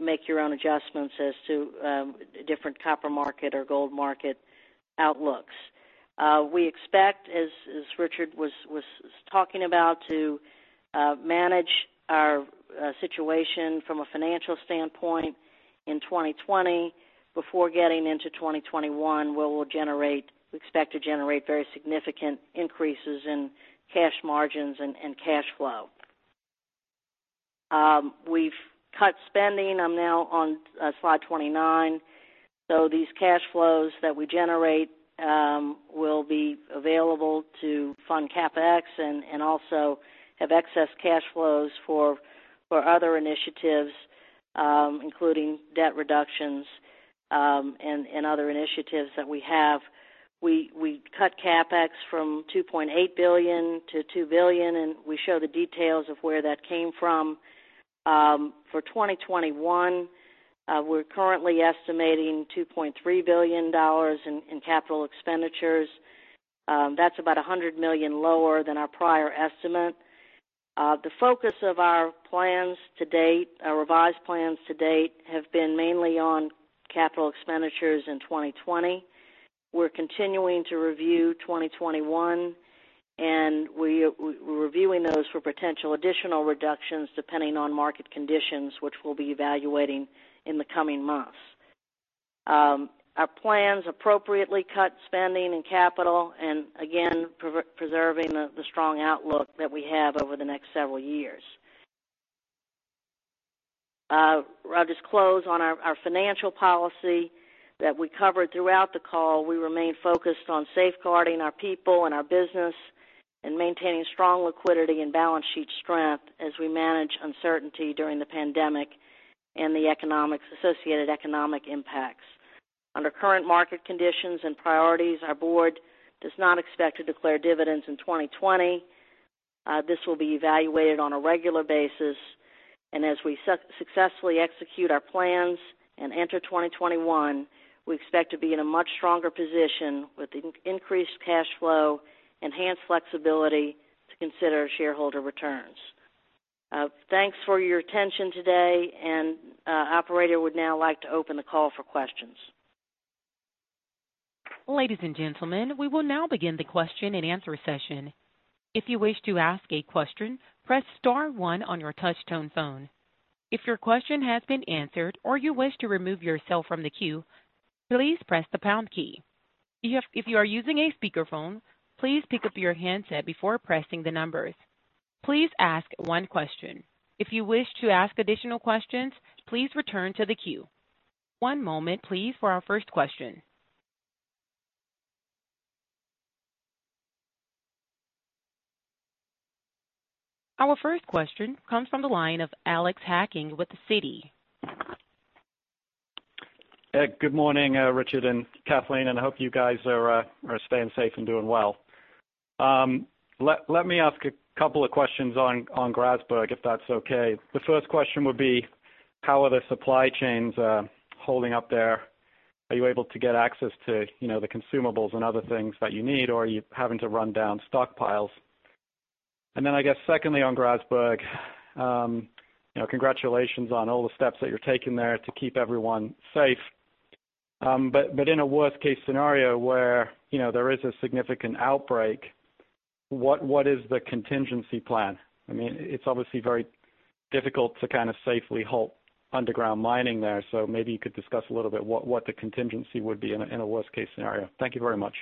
make your own adjustments as to different copper market or gold market outlooks. We expect, as Richard was talking about, to manage our situation from a financial standpoint in 2020 before getting into 2021, where we expect to generate very significant increases in cash margins and cash flow. We've cut spending. I'm now on slide 29. These cash flows that we generate will be available to fund CapEx and also have excess cash flows for other initiatives, including debt reductions and other initiatives that we have. We cut CapEx from $2.8 billion to $2 billion, and we show the details of where that came from. For 2021, we're currently estimating $2.3 billion in capital expenditures. That's about $100 million lower than our prior estimate. The focus of our revised plans to date have been mainly on capital expenditures in 2020. We're continuing to review 2021, and we're reviewing those for potential additional reductions depending on market conditions, which we'll be evaluating in the coming months. Our plans appropriately cut spending and capital and again, preserving the strong outlook that we have over the next several years. I'll just close on our financial policy that we covered throughout the call. We remain focused on safeguarding our people and our business and maintaining strong liquidity and balance sheet strength as we manage uncertainty during the pandemic and the associated economic impacts. Under current market conditions and priorities, our board does not expect to declare dividends in 2020. This will be evaluated on a regular basis, and as we successfully execute our plans and enter 2021, we expect to be in a much stronger position with increased cash flow, enhanced flexibility to consider shareholder returns. Thanks for your attention today, and operator, would now like to open the call for questions. Ladies and gentlemen, we will now begin the question and answer session. If you wish to ask a question, press star one on your touch-tone phone. If your question has been answered or you wish to remove yourself from the queue, please press the pound key. If you are using a speakerphone, please pick up your handset before pressing the numbers. Please ask one question. If you wish to ask additional questions, please return to the queue. One moment, please, for our first question. Our first question comes from the line of Alex Hacking with Citi. Good morning, Richard and Kathleen. I hope you guys are staying safe and doing well. Let me ask a couple of questions on Grasberg, if that's okay. The first question would be, how are the supply chains holding up there? Are you able to get access to the consumables and other things that you need, or are you having to run down stockpiles? I guess secondly, on Grasberg, congratulations on all the steps that you're taking there to keep everyone safe. In a worst-case scenario where there is a significant outbreak, what is the contingency plan? It's obviously very difficult to safely halt underground mining there. Maybe you could discuss a little bit what the contingency would be in a worst-case scenario. Thank you very much.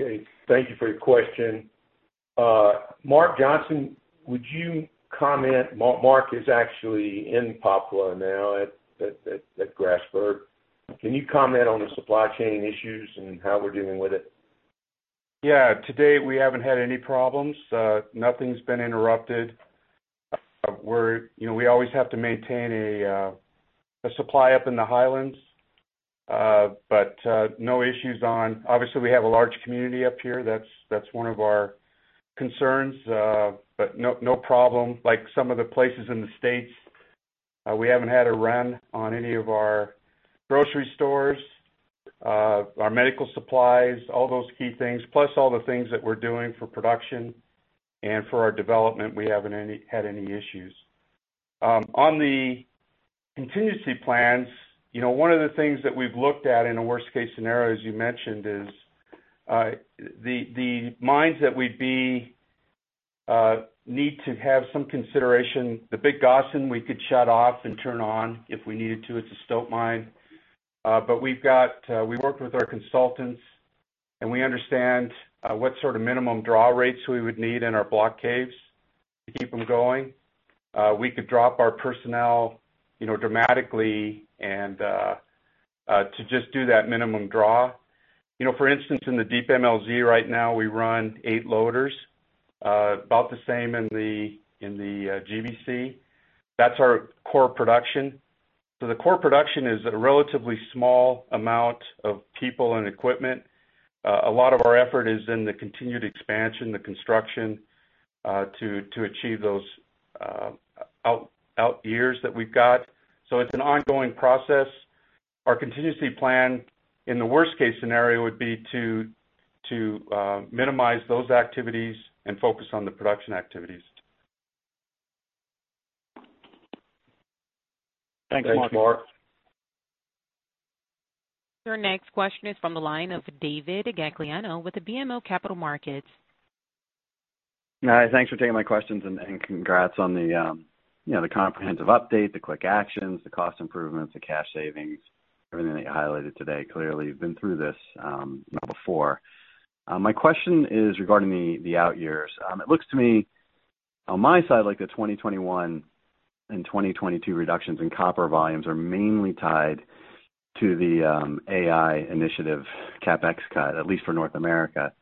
Okay. Thank you for your question. Mark Johnson, would you comment? Mark is actually in Papua now at Grasberg. Can you comment on the supply chain issues and how we're dealing with it? Yeah. To date, we haven't had any problems. Nothing's been interrupted. We always have to maintain a supply up in the Highlands. No issues on. Obviously, we have a large community up here. That's one of our concerns. No problem. Like some of the places in the U.S., we haven't had a run on any of our grocery stores, our medical supplies, all those key things, plus all the things that we're doing for production and for our development. We haven't had any issues. On the contingency plans, one of the things that we've looked at in a worst-case scenario, as you mentioned, is the mines that we'd need to have some consideration. The Big Gossan we could shut off and turn on if we needed to. It's a stope mine. We've worked with our consultants, and we understand what sort of minimum draw rates we would need in our block caves to keep them going. We could drop our personnel dramatically to just do that minimum draw. For instance, in the deep MLZ right now, we run eight loaders, about the same in the GBC. That's our core production. The core production is a relatively small amount of people and equipment. A lot of our effort is in the continued expansion, the construction, to achieve those out years that we've got. It's an ongoing process. Our contingency plan in the worst-case scenario would be to minimize those activities and focus on the production activities. Thanks, Mark. Your next question is from the line of David Gagliano with the BMO Capital Markets. Hi. Thanks for taking my questions and congrats on the comprehensive update, the quick actions, the cost improvements, the cash savings, everything that you highlighted today. Clearly, you've been through this before. My question is regarding the out years. It looks to me, on my side, like the 2021 and 2022 reductions in copper volumes are mainly tied to the AI initiative CapEx cut, at least for North America.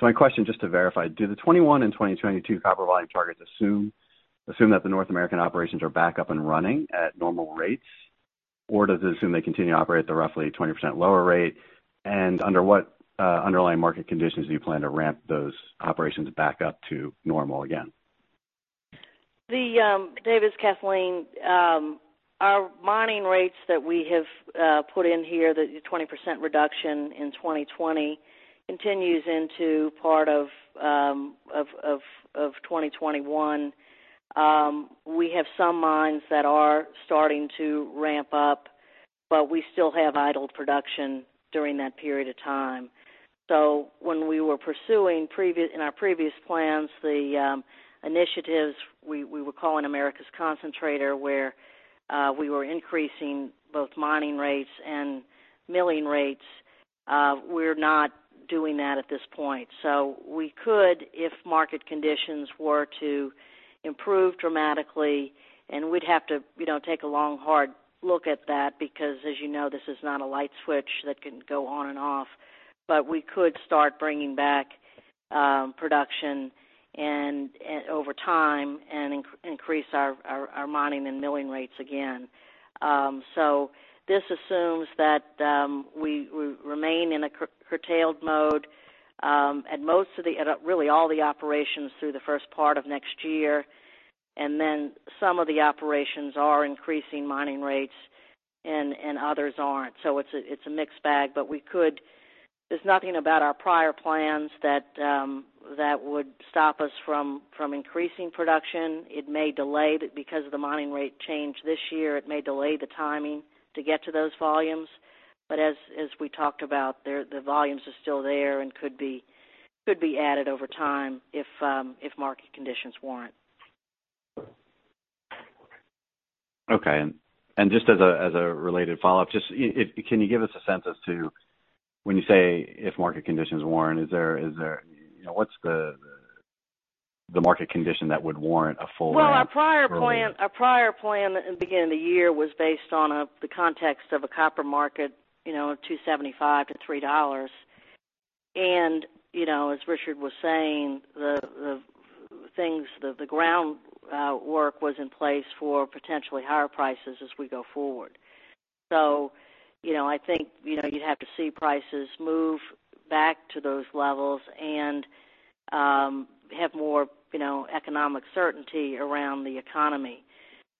My question, just to verify, do the 2021 and 2022 copper volume targets assume that the North American operations are back up and running at normal rates? Does it assume they continue to operate at the roughly 20% lower rate? Under what underlying market conditions do you plan to ramp those operations back up to normal again? David, it's Kathleen. Our mining rates that we have put in here, the 20% reduction in 2020 continues into part of 2021. We have some mines that are starting to ramp up, but we still have idled production during that period of time. When we were pursuing in our previous plans, the initiatives we were calling Americas Concentrator, where we were increasing both mining rates and milling rates, we're not doing that at this point. We could, if market conditions were to improve dramatically, and we'd have to take a long, hard look at that, because as you know, this is not a light switch that can go on and off. We could start bringing back production over time and increase our mining and milling rates again. This assumes that we remain in a curtailed mode at really all the operations through the first part of next year, and then some of the operations are increasing mining rates and others aren't. It's a mixed bag, but there's nothing about our prior plans that would stop us from increasing production. Because of the mining rate change this year, it may delay the timing to get to those volumes. As we talked about, the volumes are still there and could be added over time if market conditions warrant. Okay. Just as a related follow-up, can you give us a sense as to when you say, if market conditions warrant, what's the market condition that would warrant a full ramp? Well, our prior plan at the beginning of the year was based on the context of a copper market of $2.75-$3.00. As Richard was saying, the groundwork was in place for potentially higher prices as we go forward. I think you'd have to see prices move back to those levels and have more economic certainty around the economy.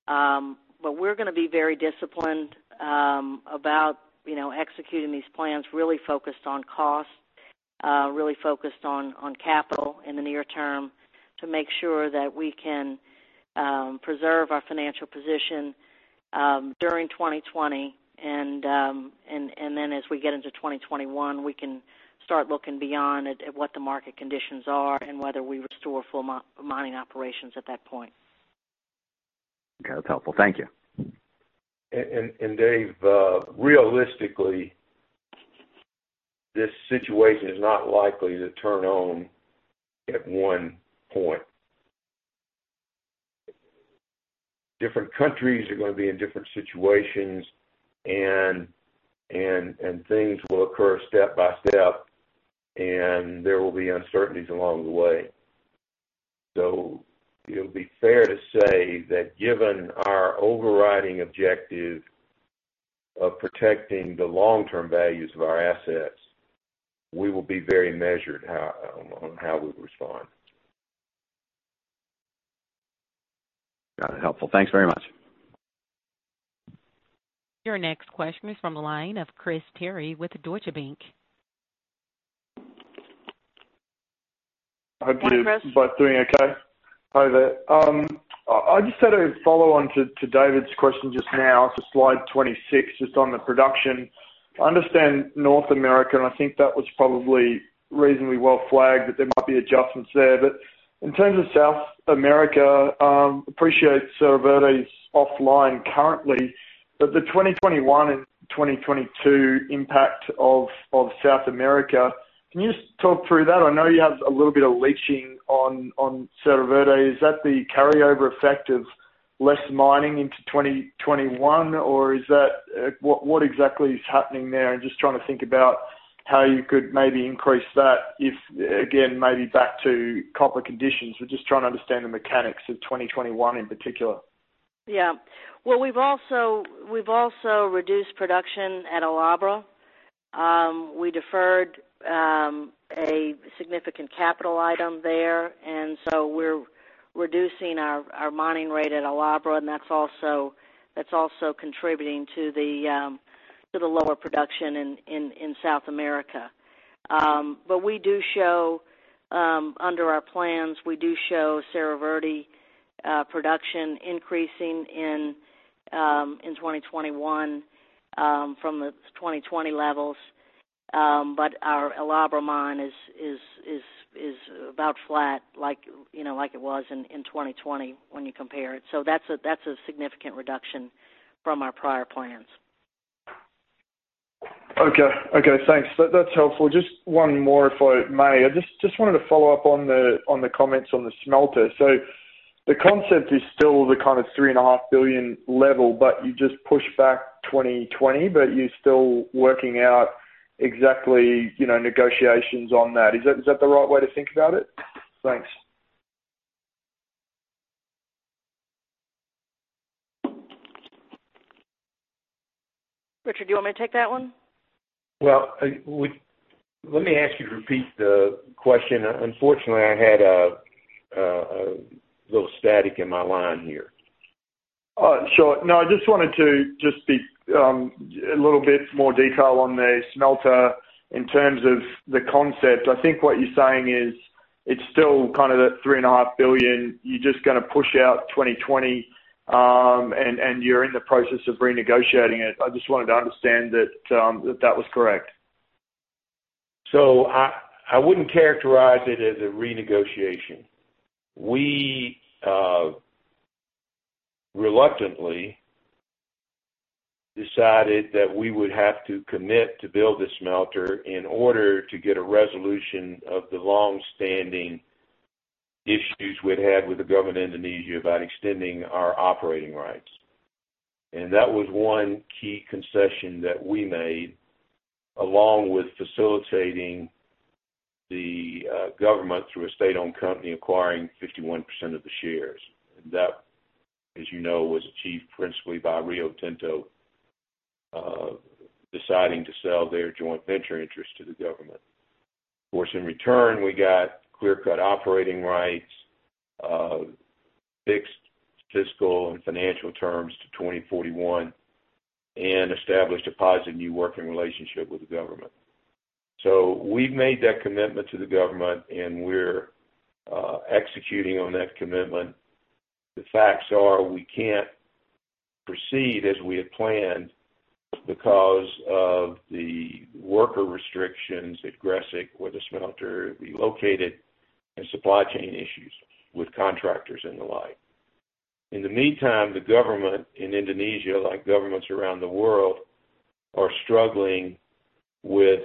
We're going to be very disciplined about executing these plans, really focused on cost, really focused on capital in the near term to make sure that we can preserve our financial position during 2020. As we get into 2021, we can start looking beyond at what the market conditions are and whether we restore full mining operations at that point. Okay. That's helpful. Thank you. David, realistically, this situation is not likely to turn on at one point. Different countries are going to be in different situations and things will occur step by step, and there will be uncertainties along the way. It would be fair to say that given our overriding objective of protecting the long-term values of our assets, we will be very measured on how we respond. Got it. Helpful. Thanks very much. Your next question is from the line of Chris Terry with Deutsche Bank. Hope you're both doing okay. Hi there. I just had a follow-on to David's question just now to slide 26, just on the production. I understand North America, and I think that was probably reasonably well flagged that there might be adjustments there. In terms of South America, appreciate Cerro Verde's offline currently, but the 2021 and 2022 impact of South America, can you just talk through that? I know you have a little bit of leaching on Cerro Verde. Is that the carryover effect of less mining into 2021? What exactly is happening there? Just trying to think about how you could maybe increase that if, again, maybe back to copper conditions, but just trying to understand the mechanics of 2021 in particular. Yeah. Well, we've also reduced production at El Abra. We deferred a significant capital item there, and so we're reducing our mining rate at El Abra, and that's also contributing to the lower production in South America. Under our plans, we do show Cerro Verde production increasing in 2021 from the 2020 levels. Our El Abra mine is about flat, like it was in 2020 when you compare it. That's a significant reduction from our prior plans. Okay. Thanks. That's helpful. Just one more, if I may. I just wanted to follow up on the comments on the smelter. The concept is still the kind of $3.5 billion level, but you just pushed back 2020, but you're still working out exactly negotiations on that. Is that the right way to think about it? Thanks. Richard, do you want me to take that one? Well, let me ask you to repeat the question. Unfortunately, I had a little static in my line here. Oh, sure. No, I just wanted to just be a little bit more detail on the smelter in terms of the concept. I think what you're saying is it's still kind of that three and a half billion dollars. You're just going to push out 2020, and you're in the process of renegotiating it. I just wanted to understand that that was correct? I wouldn't characterize it as a renegotiation. We reluctantly decided that we would have to commit to build the smelter in order to get a resolution of the longstanding issues we'd had with the government of Indonesia about extending our operating rights. That was one key concession that we made, along with facilitating the government through a state-owned company acquiring 51% of the shares. That, as you know, was achieved principally by Rio Tinto deciding to sell their joint venture interest to the government. Of course, in return, we got clear-cut operating rights, fixed fiscal and financial terms to 2041, and established a positive new working relationship with the government. We've made that commitment to the government, and we're executing on that commitment. The facts are we can't proceed as we had planned because of the worker restrictions at Gresik, where the smelter will be located, and supply chain issues with contractors and the like. In the meantime, the government in Indonesia, like governments around the world, are struggling with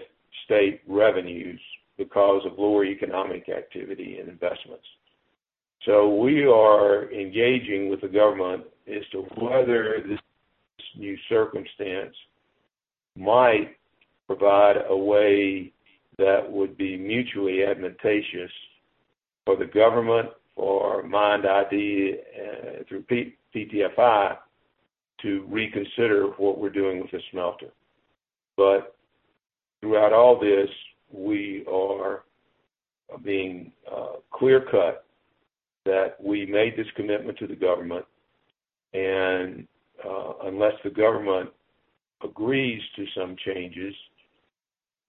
state revenues because of lower economic activity and investments. We are engaging with the government as to whether this new circumstance might provide a way that would be mutually advantageous for the government or MIND ID through PTFI to reconsider what we're doing with the smelter. Throughout all this, we are being clear-cut that we made this commitment to the government, and unless the government agrees to some changes,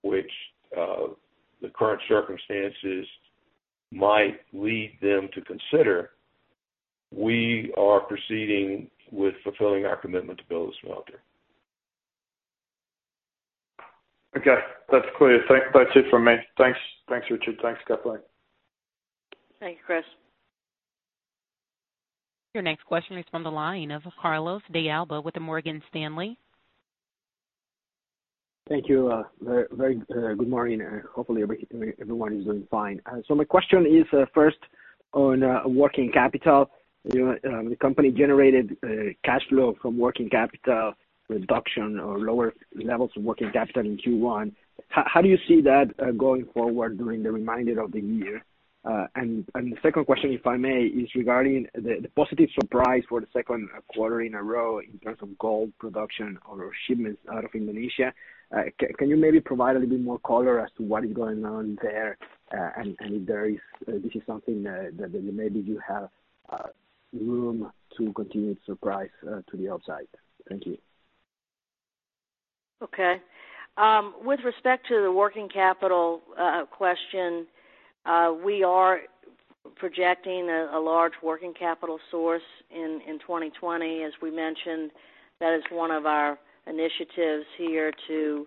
which the current circumstances might lead them to consider, we are proceeding with fulfilling our commitment to build the smelter. Okay. That's clear. That's it from me. Thanks, Richard. Thanks, Kathleen. Thank you, Chris. Your next question is from the line of Carlos de Alba with the Morgan Stanley. Thank you. Very good morning. Hopefully, everyone is doing fine. My question is, first, on working capital. The company generated cash flow from working capital reduction or lower levels of working capital in Q1. How do you see that going forward during the remainder of the year? The second question, if I may, is regarding the positive surprise for the second quarter in a row in terms of gold production or shipments out of Indonesia. Can you maybe provide a little bit more color as to what is going on there? If there is, this is something that maybe you have room to continue to surprise to the upside? Thank you. Okay. With respect to the working capital question, we are projecting a large working capital source in 2020. As we mentioned, that is one of our initiatives here to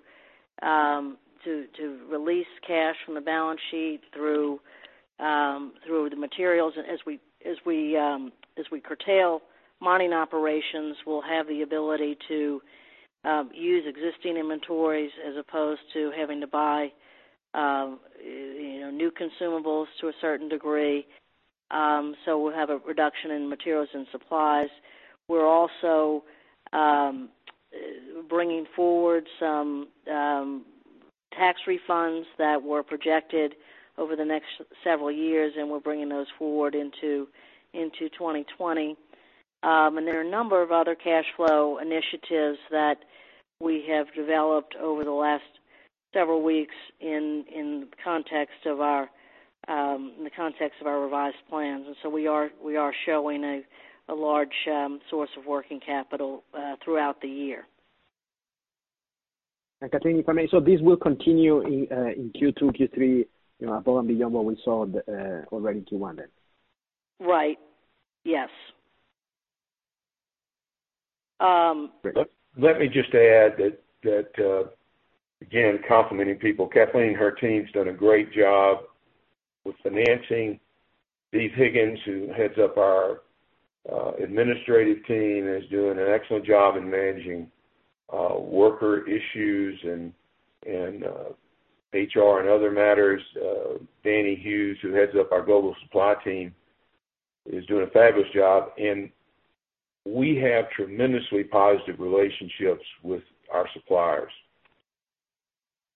release cash from the balance sheet through the materials. As we curtail mining operations, we'll have the ability to use existing inventories as opposed to having to buy new consumables to a certain degree. We'll have a reduction in materials and supplies. We're also bringing forward some tax refunds that were projected over the next several years, and we're bringing those forward into 2020. There are a number of other cash flow initiatives that we have developed over the last several weeks in the context of our revised plans. We are showing a large source of working capital throughout the year. Kathleen, if I may, this will continue in Q2, Q3 above and beyond what we saw already in Q1 then? Right. Yes. Let me just add that, again, complimenting people. Kathleen and her team's done a great job with financing. Steve Higgins, who heads up our administrative team, is doing an excellent job in managing worker issues and HR and other matters. Danny Hughes, who heads up our global supply team, is doing a fabulous job, and we have tremendously positive relationships with our suppliers.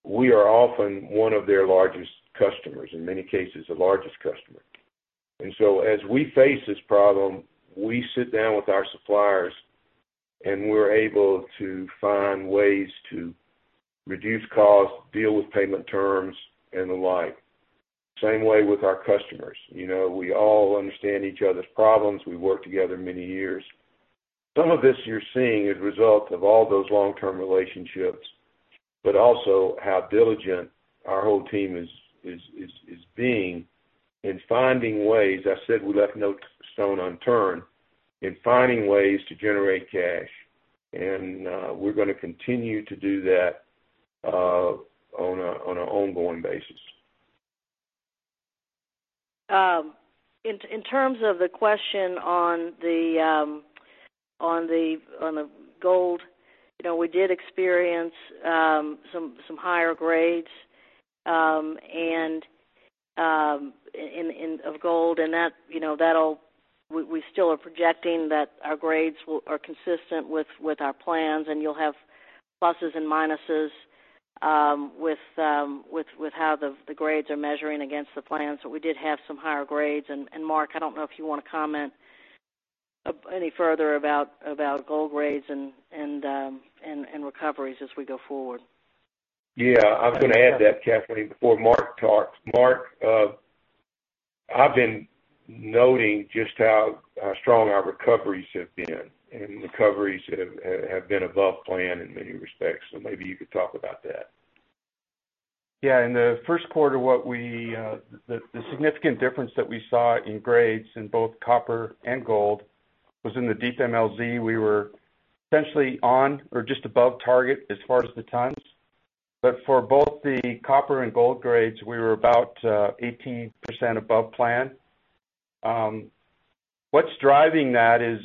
We are often one of their largest customers, in many cases, the largest customer. As we face this problem, we sit down with our suppliers, and we're able to find ways to reduce costs, deal with payment terms, and the like. Same way with our customers. We all understand each other's problems. We worked together many years. Some of this you're seeing is a result of all those long-term relationships, but also how diligent our whole team is being in finding ways, I said we left no stone unturned, in finding ways to generate cash. We're going to continue to do that on an ongoing basis. In terms of the question on the gold, we did experience some higher grades of gold. We still are projecting that our grades are consistent with our plans, and you'll have pluses and minuses with how the grades are measuring against the plans. We did have some higher grades. Mark, I don't know if you want to comment any further about gold grades and recoveries as we go forward. Yeah, I was going to add that, Kathleen, before Mark talks. Mark, I've been noting just how strong our recoveries have been, and recoveries have been above plan in many respects. Maybe you could talk about that. Yeah. In the first quarter, the significant difference that we saw in grades in both copper and gold was in the Deep MLZ. We were essentially on or just above target as far as the tons. For both the copper and gold grades, we were about 18% above plan. What's driving that is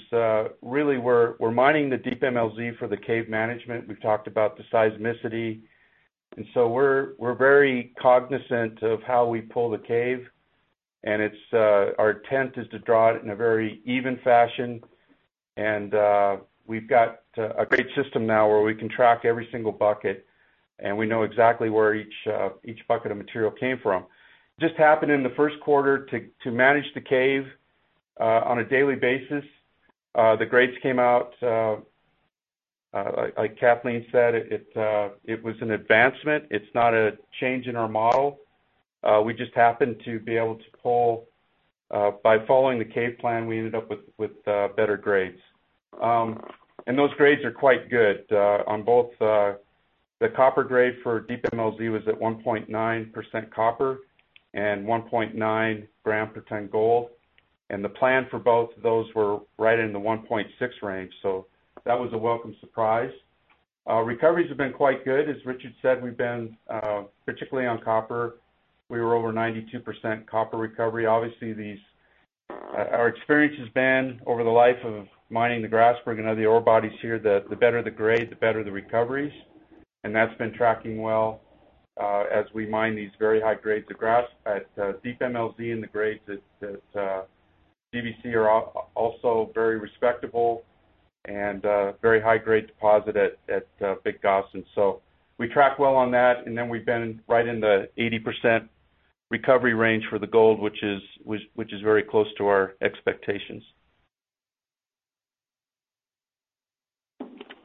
really we're mining the Deep MLZ for the cave management. We've talked about the seismicity, we're very cognizant of how we pull the cave, and our intent is to draw it in a very even fashion. We've got a great system now where we can track every single bucket, and we know exactly where each bucket of material came from. Just happened in the first quarter to manage the cave on a daily basis. The grades came out, like Kathleen said, it was an advancement. It's not a change in our model. We just happened to be able to pull. By following the cave plan, we ended up with better grades. Those grades are quite good on both. The copper grade for Deep MLZ was at 1.9% copper and 1.9 gram per ton gold, and the plan for both of those were right in the 1.6 range, so that was a welcome surprise. Our recoveries have been quite good. As Richard said, particularly on copper, we were over 92% copper recovery. Obviously, our experience has been over the life of mining the Grasberg and other ore bodies here, that the better the grade, the better the recoveries. That's been tracking well as we mine these very high grades at Grasberg. At Deep MLZ and the grades at GBC are also very respectable and a very high-grade deposit at Big Gossan. We track well on that, and then we've been right in the 80% recovery range for the gold, which is very close to our expectations.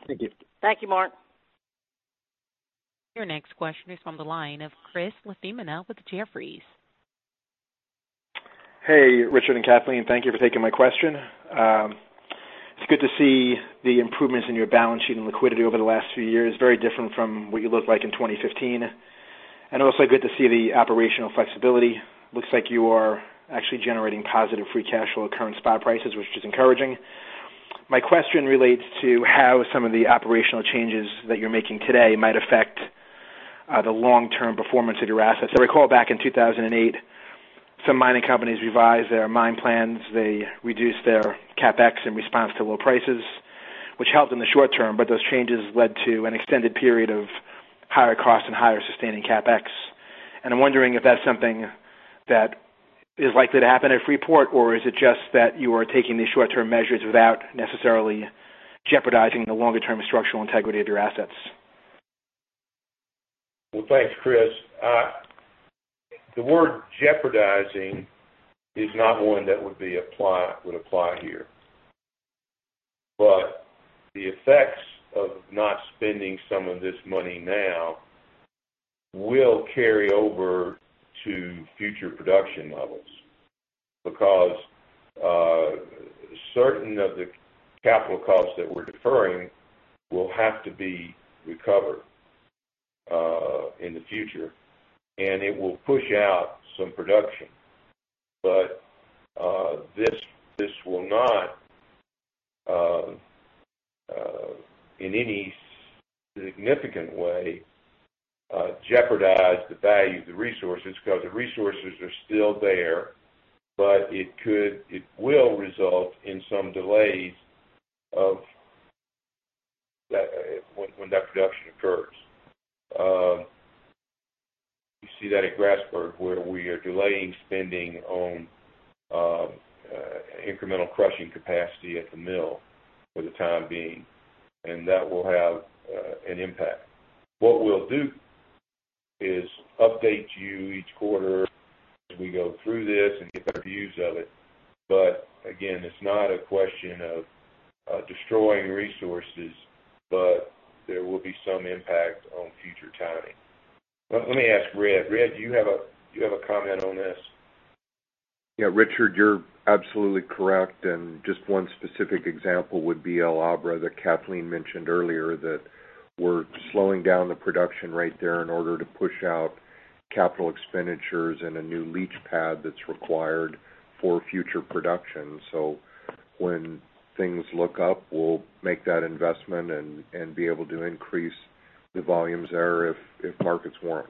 Thank you. Thank you, Mark. Your next question is from the line of Chris LaFemina with Jefferies. Hey, Richard and Kathleen. Thank you for taking my question. It's good to see the improvements in your balance sheet and liquidity over the last few years, very different from what you looked like in 2015, and also good to see the operational flexibility. Looks like you are actually generating positive free cash flow at current spot prices, which is encouraging. My question relates to how some of the operational changes that you're making today might affect the long-term performance of your assets. I recall back in 2008, some mining companies revised their mine plans. They reduced their CapEx in response to low prices, which helped in the short term, but those changes led to an extended period of higher costs and higher sustaining CapEx. I'm wondering if that's something that is likely to happen at Freeport, or is it just that you are taking these short-term measures without necessarily jeopardizing the longer-term structural integrity of your assets? Well, thanks, Chris. The word jeopardizing is not one that would apply here. The effects of not spending some of this money now will carry over to future production levels because certain of the capital costs that we're deferring will have to be recovered in the future, and it will push out some production. This will not, in any significant way, jeopardize the value of the resources because the resources are still there, but it will result in some delays when that production occurs. You see that at Grasberg, where we are delaying spending on incremental crushing capacity at the mill for the time being, and that will have an impact. What we'll do is update you each quarter as we go through this and get better views of it. Again, it's not a question of destroying resources, but there will be some impact on future timing. Let me ask Red. Red, do you have a comment on this? Yeah, Richard, you're absolutely correct. Just one specific example would be El Abra that Kathleen mentioned earlier, that we're slowing down the production right there in order to push out capital expenditures and a new leach pad that's required for future production. When things look up, we'll make that investment and be able to increase the volumes there if markets warrant.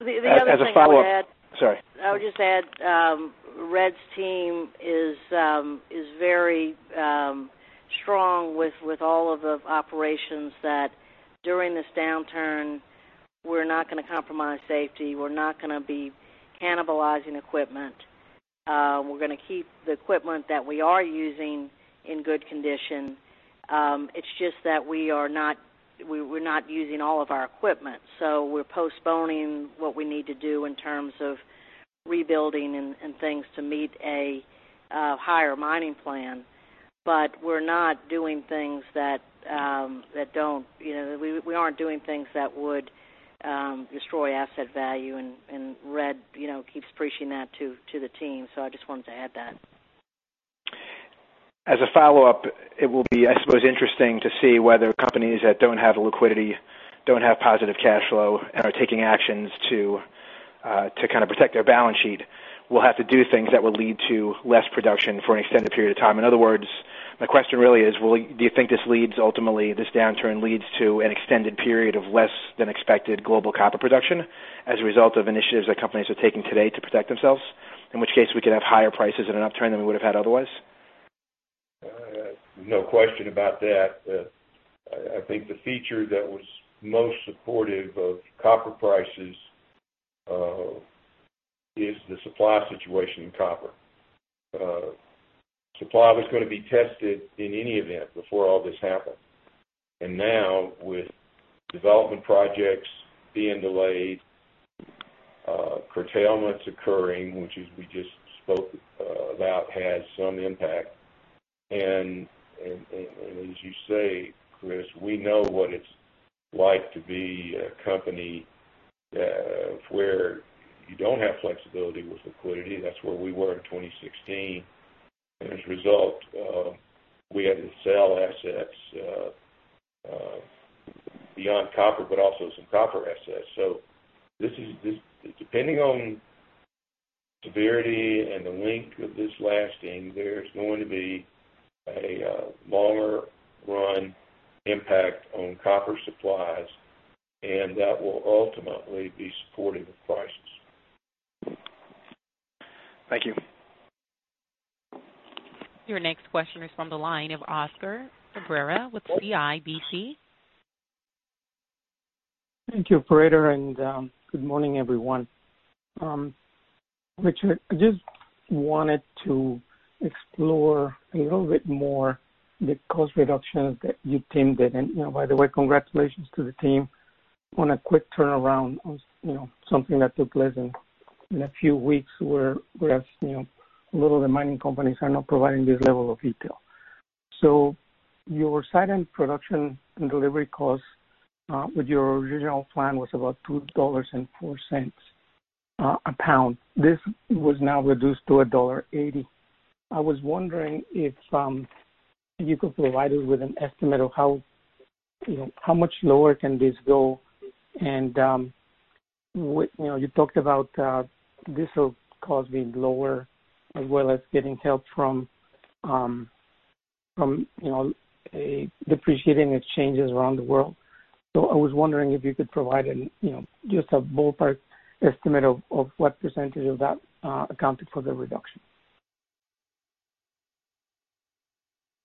As a follow-up. The other thing I would add. Sorry. I would just add Red's team is very strong with all of the operations that during this downturn, we're not going to compromise safety. We're not going to be cannibalizing equipment. We're going to keep the equipment that we are using in good condition. It's just that we're not using all of our equipment. We're postponing what we need to do in terms of rebuilding and things to meet a higher mining plan. We're not doing things that would destroy asset value, and Red keeps preaching that to the team. I just wanted to add that. As a follow-up, it will be, I suppose, interesting to see whether companies that don't have liquidity, don't have positive cash flow, and are taking actions to kind of protect their balance sheet will have to do things that will lead to less production for an extended period of time. In other words, my question really is, do you think this downturn leads to an extended period of less than expected global copper production as a result of initiatives that companies are taking today to protect themselves, in which case we could have higher prices in an upturn than we would have had otherwise? No question about that. I think the feature that was most supportive of copper prices is the supply situation in copper. Supply was going to be tested in any event before all this happened. Now, with development projects being delayed, curtailments occurring, which as we just spoke about, has some impact. As you say, Chris, we know what it's like to be a company where you don't have flexibility with liquidity. That's where we were in 2016. As a result, we had to sell assets beyond copper, but also some copper assets. Depending on severity and the length of this lasting, there's going to be a longer run impact on copper supplies, and that will ultimately be supportive of prices. Thank you. Your next question is from the line of Oscar Cabrera with CIBC. Thank you, operator, and good morning, everyone. Richard, I just wanted to explore a little bit more the cost reductions that you teamed with. By the way, congratulations to the team on a quick turnaround on something that took less than a few weeks, whereas a lot of the mining companies are not providing this level of detail. Your site and production and delivery costs with your original plan was about $2.04 a pound. This was now reduced to $1.80. I was wondering if you could provide us with an estimate of how much lower can this go. You talked about diesel costs being lower as well as getting help from depreciating exchanges around the world. I was wondering if you could provide just a ballpark estimate of what % of that accounted for the reduction.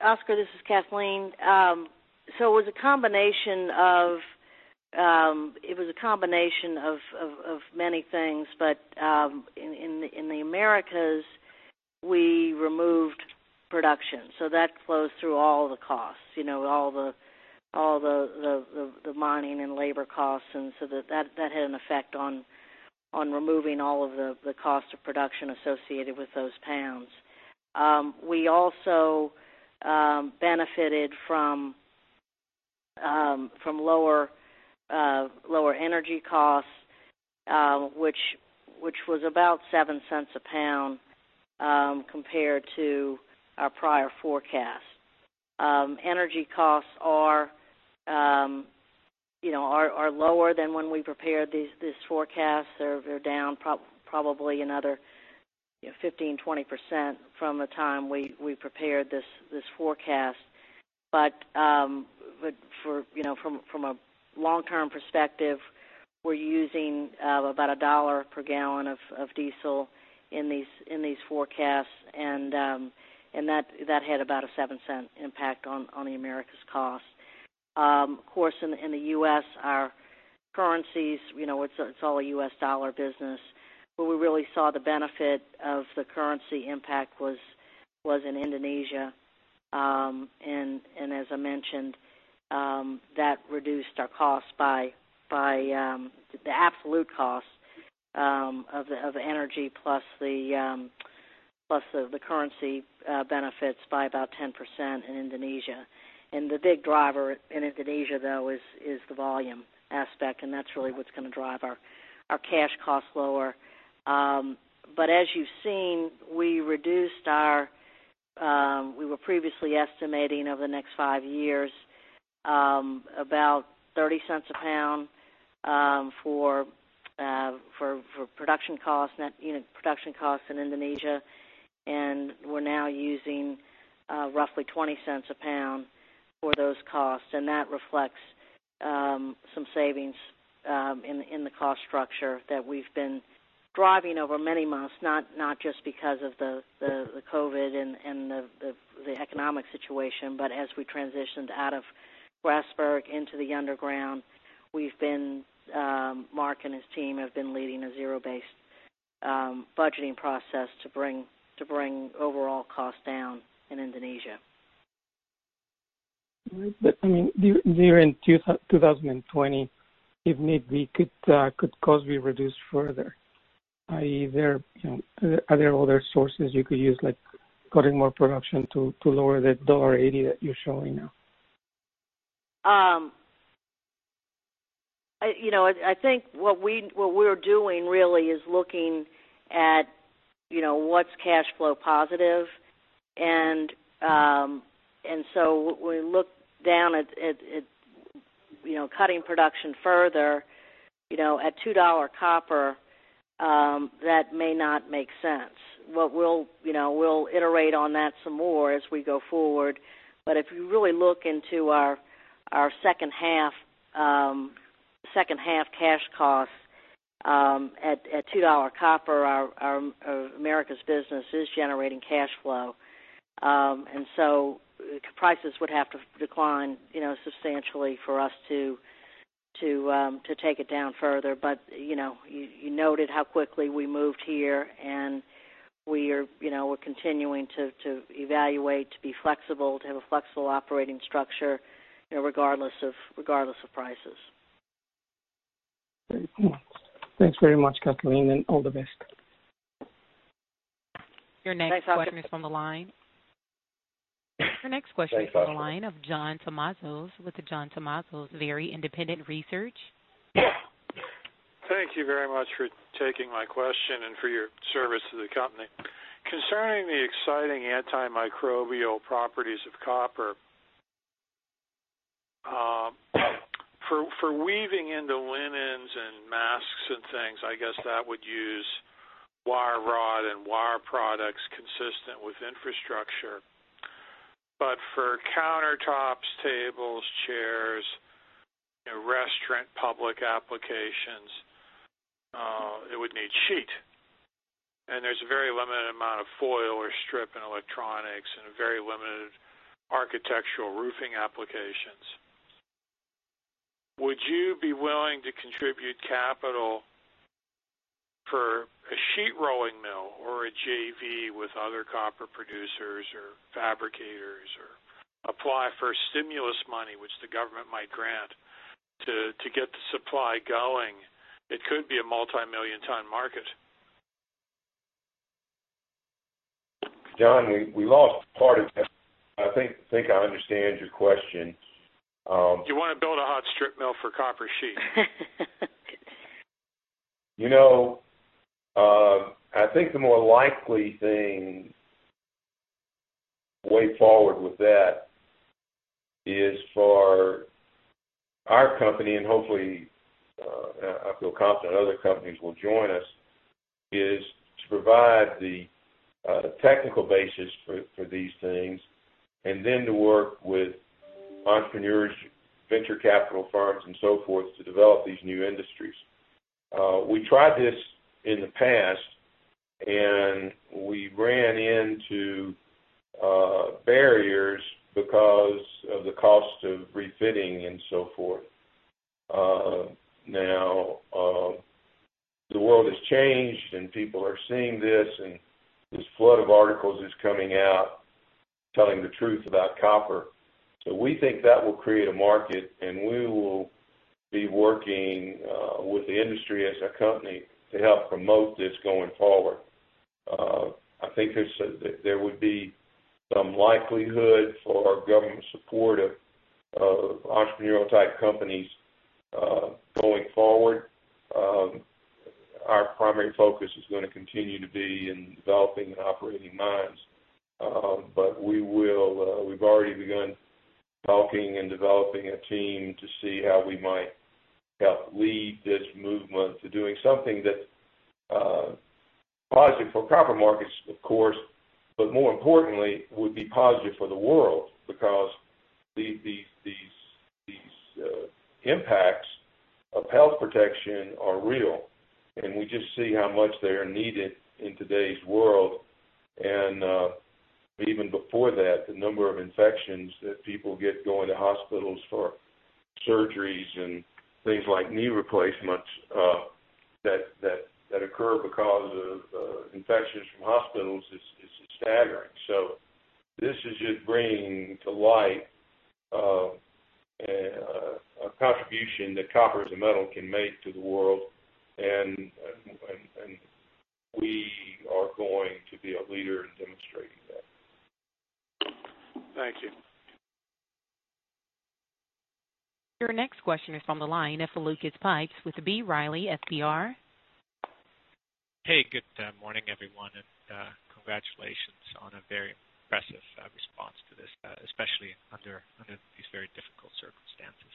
Oscar, this is Kathleen. It was a combination of many things, but in the Americas, we removed production, so that flows through all the costs, all the mining and labor costs, that had an effect on removing all of the cost of production associated with those pounds. We also benefited from lower energy costs, which was about $0.07 a pound compared to our prior forecast. Energy costs are lower than when we prepared this forecast. They're down probably another 15%-20% from the time we prepared this forecast. From a long-term perspective, we're using about $1 per gallon of diesel in these forecasts, that had about a $0.07 impact on the Americas cost. Of course, in the U.S., our currencies, it's all a US dollar business, but we really saw the benefit of the currency impact was in Indonesia, and as I mentioned, that reduced our costs by the absolute cost of energy plus the currency benefits by about 10% in Indonesia. The big driver in Indonesia, though, is the volume aspect, and that's really what's going to drive our cash costs lower. As you've seen, we were previously estimating over the next five years, about $0.30 a pound for production costs in Indonesia. We're now using roughly $0.20 a pound for those costs. That reflects some savings in the cost structure that we've been driving over many months, not just because of the COVID and the economic situation, but as we transitioned out of Grasberg into the underground, Mark and his team have been leading a zero-based budgeting process to bring overall costs down in Indonesia. During 2020, could costs be reduced further, i.e., are there other sources you could use, like cutting more production to lower the $1.80 that you're showing now? I think what we're doing really is looking at what's cash flow positive. We look down at cutting production further. At $2 copper, that may not make sense. We'll iterate on that some more as we go forward. If you really look into our second half cash costs at $2 copper, our Americas business is generating cash flow. Prices would have to decline substantially for us to take it down further. You noted how quickly we moved here, and we're continuing to evaluate, to be flexible, to have a flexible operating structure regardless of prices. Thanks very much, Kathleen, and all the best. Your next question is on the line. Thanks, Oscar. Your next question is on the line of John Tumazos with the John Tumazos Very Independent Research. Thank you very much for taking my question and for your service to the company. Concerning the exciting antimicrobial properties of copper, for weaving into linens and masks and things, I guess that would use wire rod and wire products consistent with infrastructure. For countertops, tables, chairs, restaurant, public applications, it would need sheet, and there's a very limited amount of foil or strip in electronics and a very limited architectural roofing applications. Would you be willing to contribute capital for a sheet rolling mill or a JV with other copper producers or fabricators or apply for stimulus money which the government might grant to get the supply going? It could be a multimillion-ton market. John, we lost part of that. I think I understand your question. Do you want to build a hot strip mill for copper sheet? I think the more likely thing, way forward with that is for our company, and hopefully, I feel confident other companies will join us, is to provide the technical basis for these things, and then to work with entrepreneurs, venture capital firms, and so forth, to develop these new industries. We tried this in the past, we ran into barriers because of the cost of refitting and so forth. Now, the world has changed, people are seeing this, and this flood of articles is coming out telling the truth about copper. We think that will create a market, and we will be working with the industry as a company to help promote this going forward. I think there would be some likelihood for government support of entrepreneurial-type companies, going forward. Our primary focus is going to continue to be in developing and operating mines. We've already begun talking and developing a team to see how we might help lead this movement to doing something that, positive for copper markets, of course, but more importantly, would be positive for the world. These impacts of health protection are real, and we just see how much they are needed in today's world. Even before that, the number of infections that people get going to hospitals for surgeries and things like knee replacements that occur because of infections from hospitals is staggering. This is just bringing to light a contribution that copper as a metal can make to the world. We are going to be a leader in demonstrating that. Thank you. Your next question is on the line. It's for Lucas Pipes with B. Riley FBR. Hey, good morning, everyone, and congratulations on a very impressive response to this, especially under these very difficult circumstances.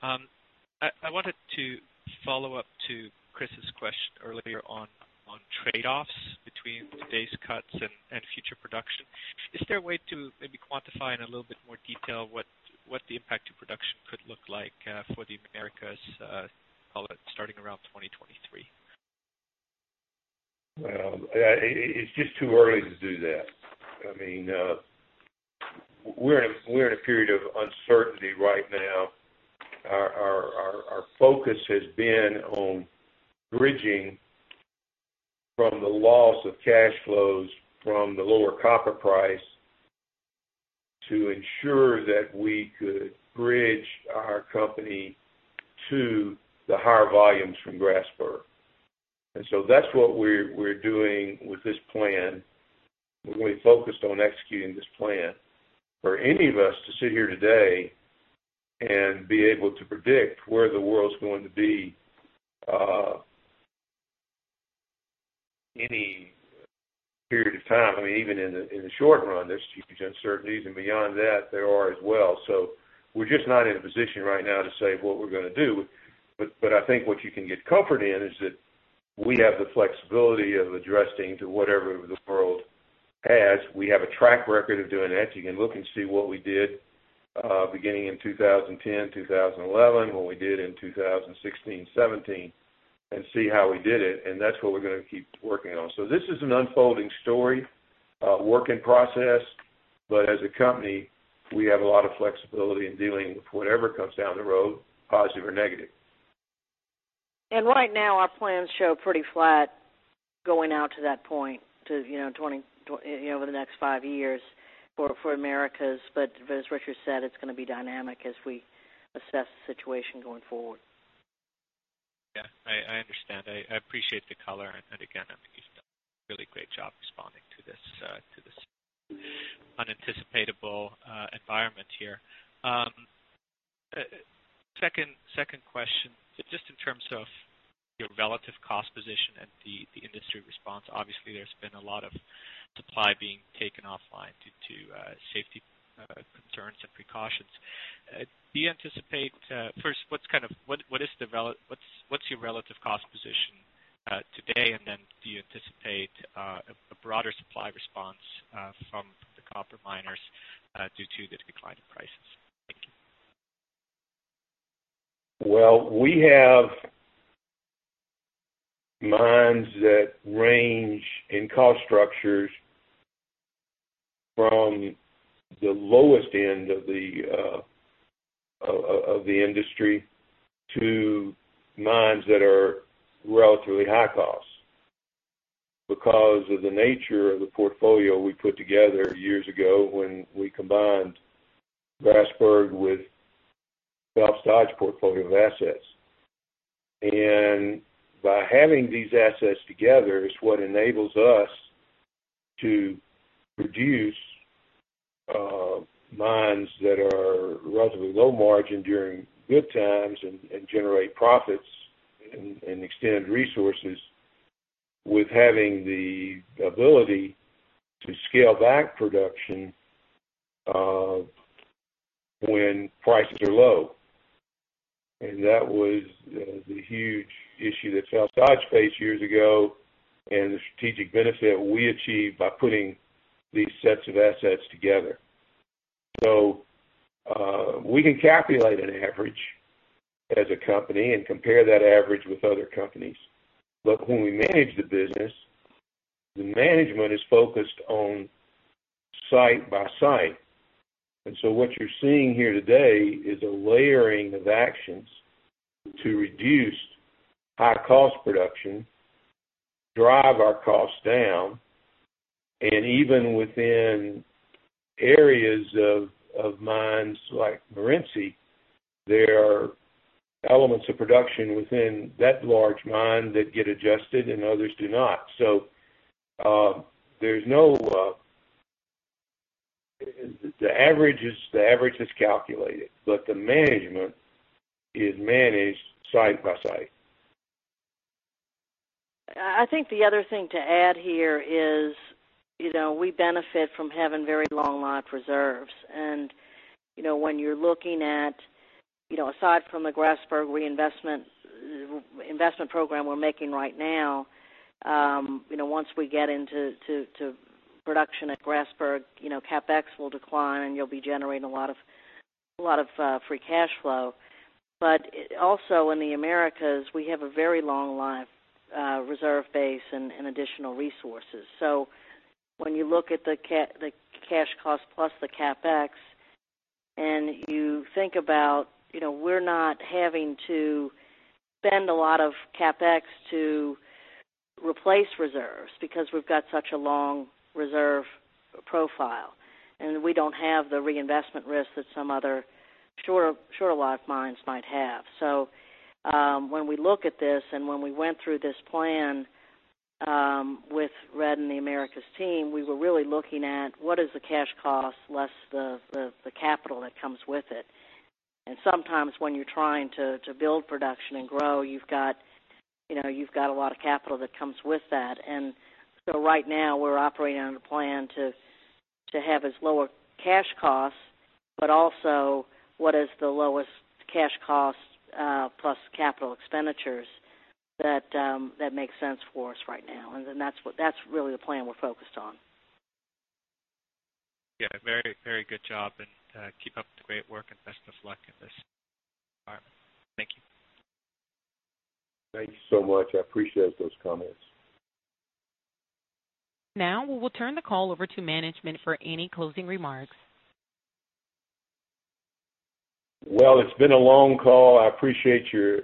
I wanted to follow up to Chris's question earlier on trade-offs between today's cuts and future production. Is there a way to maybe quantify in a little bit more detail what the impact to production could look like for the Americas public starting around 2023? Well, it's just too early to do that. We're in a period of uncertainty right now. Our focus has been on bridging from the loss of cash flows from the lower copper price to ensure that we could bridge our company to the higher volumes from Grasberg. That's what we're doing with this plan. We're really focused on executing this plan. For any of us to sit here today and be able to predict where the world's going to be any period of time, even in the short run, there's huge uncertainties, and beyond that, there are as well. We're just not in a position right now to say what we're going to do. I think what you can get comfort in is that we have the flexibility of addressing to whatever the world has. We have a track record of doing that. You can look and see what we did, beginning in 2010, 2011, what we did in 2016, 2017, and see how we did it, and that's what we're going to keep working on. This is an unfolding story, a work in process. As a company, we have a lot of flexibility in dealing with whatever comes down the road, positive or negative. Right now, our plans show pretty flat going out to that point, over the next five years for Americas. As Richard said, it's going to be dynamic as we assess the situation going forward. Yeah, I understand. I appreciate the color. Again, I think you've done a really great job responding to this anticipatable environment here. Second question, just in terms of your relative cost position and the industry response. Obviously, there's been a lot of supply being taken offline due to safety concerns and precautions. First, what's your relative cost position today? Then do you anticipate a broader supply response from the copper miners due to the decline in prices? Thank you. Well, we have mines that range in cost structures from the lowest end of the industry to mines that are relatively high cost. Of the nature of the portfolio we put together years ago when we combined Grasberg with Phelps Dodge portfolio of assets. By having these assets together is what enables us to reduce mines that are relatively low margin during good times and generate profits and extend resources with having the ability to scale back production when prices are low. That was the huge issue that Phelps Dodge faced years ago and the strategic benefit we achieved by putting these sets of assets together. We can calculate an average as a company and compare that average with other companies. When we manage the business, the management is focused on site by site. What you're seeing here today is a layering of actions to reduce high cost production, drive our costs down, and even within areas of mines like Morenci, there are elements of production within that large mine that get adjusted and others do not. The average is calculated, but the management is managed site by site. I think the other thing to add here is we benefit from having very long life reserves. When you're looking at, aside from the Grasberg investment program we're making right now, once we get into production at Grasberg, CapEx will decline, and you'll be generating a lot of free cash flow. Also in the Americas, we have a very long life reserve base and additional resources. When you look at the cash cost plus the CapEx, and you think about we're not having to spend a lot of CapEx to replace reserves because we've got such a long reserve profile, and we don't have the reinvestment risk that some other shorter life mines might have. When we look at this, and when we went through this plan with Red and the Americas team, we were really looking at what is the cash cost less the capital that comes with it. Sometimes when you're trying to build production and grow, you've got a lot of capital that comes with that. Right now we're operating on a plan to have as lower cash costs, but also what is the lowest cash cost plus capital expenditures that makes sense for us right now. That's really the plan we're focused on. Yeah, very good job and keep up the great work and best of luck in this environment. Thank you. Thank you so much. I appreciate those comments. Now we will turn the call over to management for any closing remarks. Well, it's been a long call. I appreciate your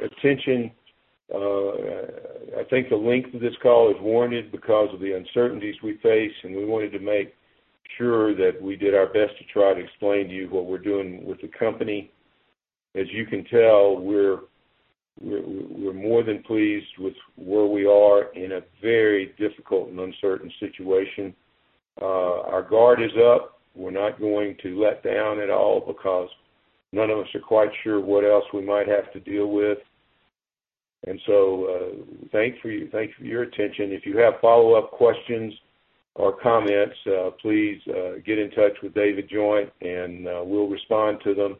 attention. I think the length of this call is warranted because of the uncertainties we face, and we wanted to make sure that we did our best to try to explain to you what we're doing with the company. As you can tell, we're more than pleased with where we are in a very difficult and uncertain situation. Our guard is up. We're not going to let down at all because none of us are quite sure what else we might have to deal with. Thanks for your attention. If you have follow-up questions or comments, please get in touch with David Joynt, and we'll respond to them.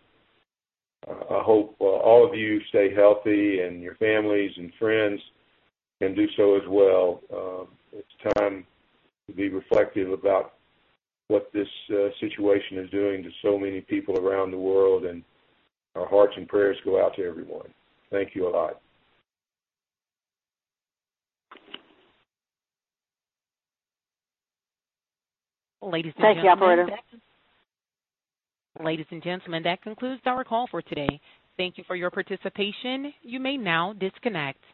I hope all of you stay healthy and your families and friends can do so as well. It's time to be reflective about what this situation is doing to so many people around the world, and our hearts and prayers go out to everyone. Thank you a lot. Thank you, operator. Ladies and gentlemen, that concludes our call for today. Thank you for your participation. You may now disconnect.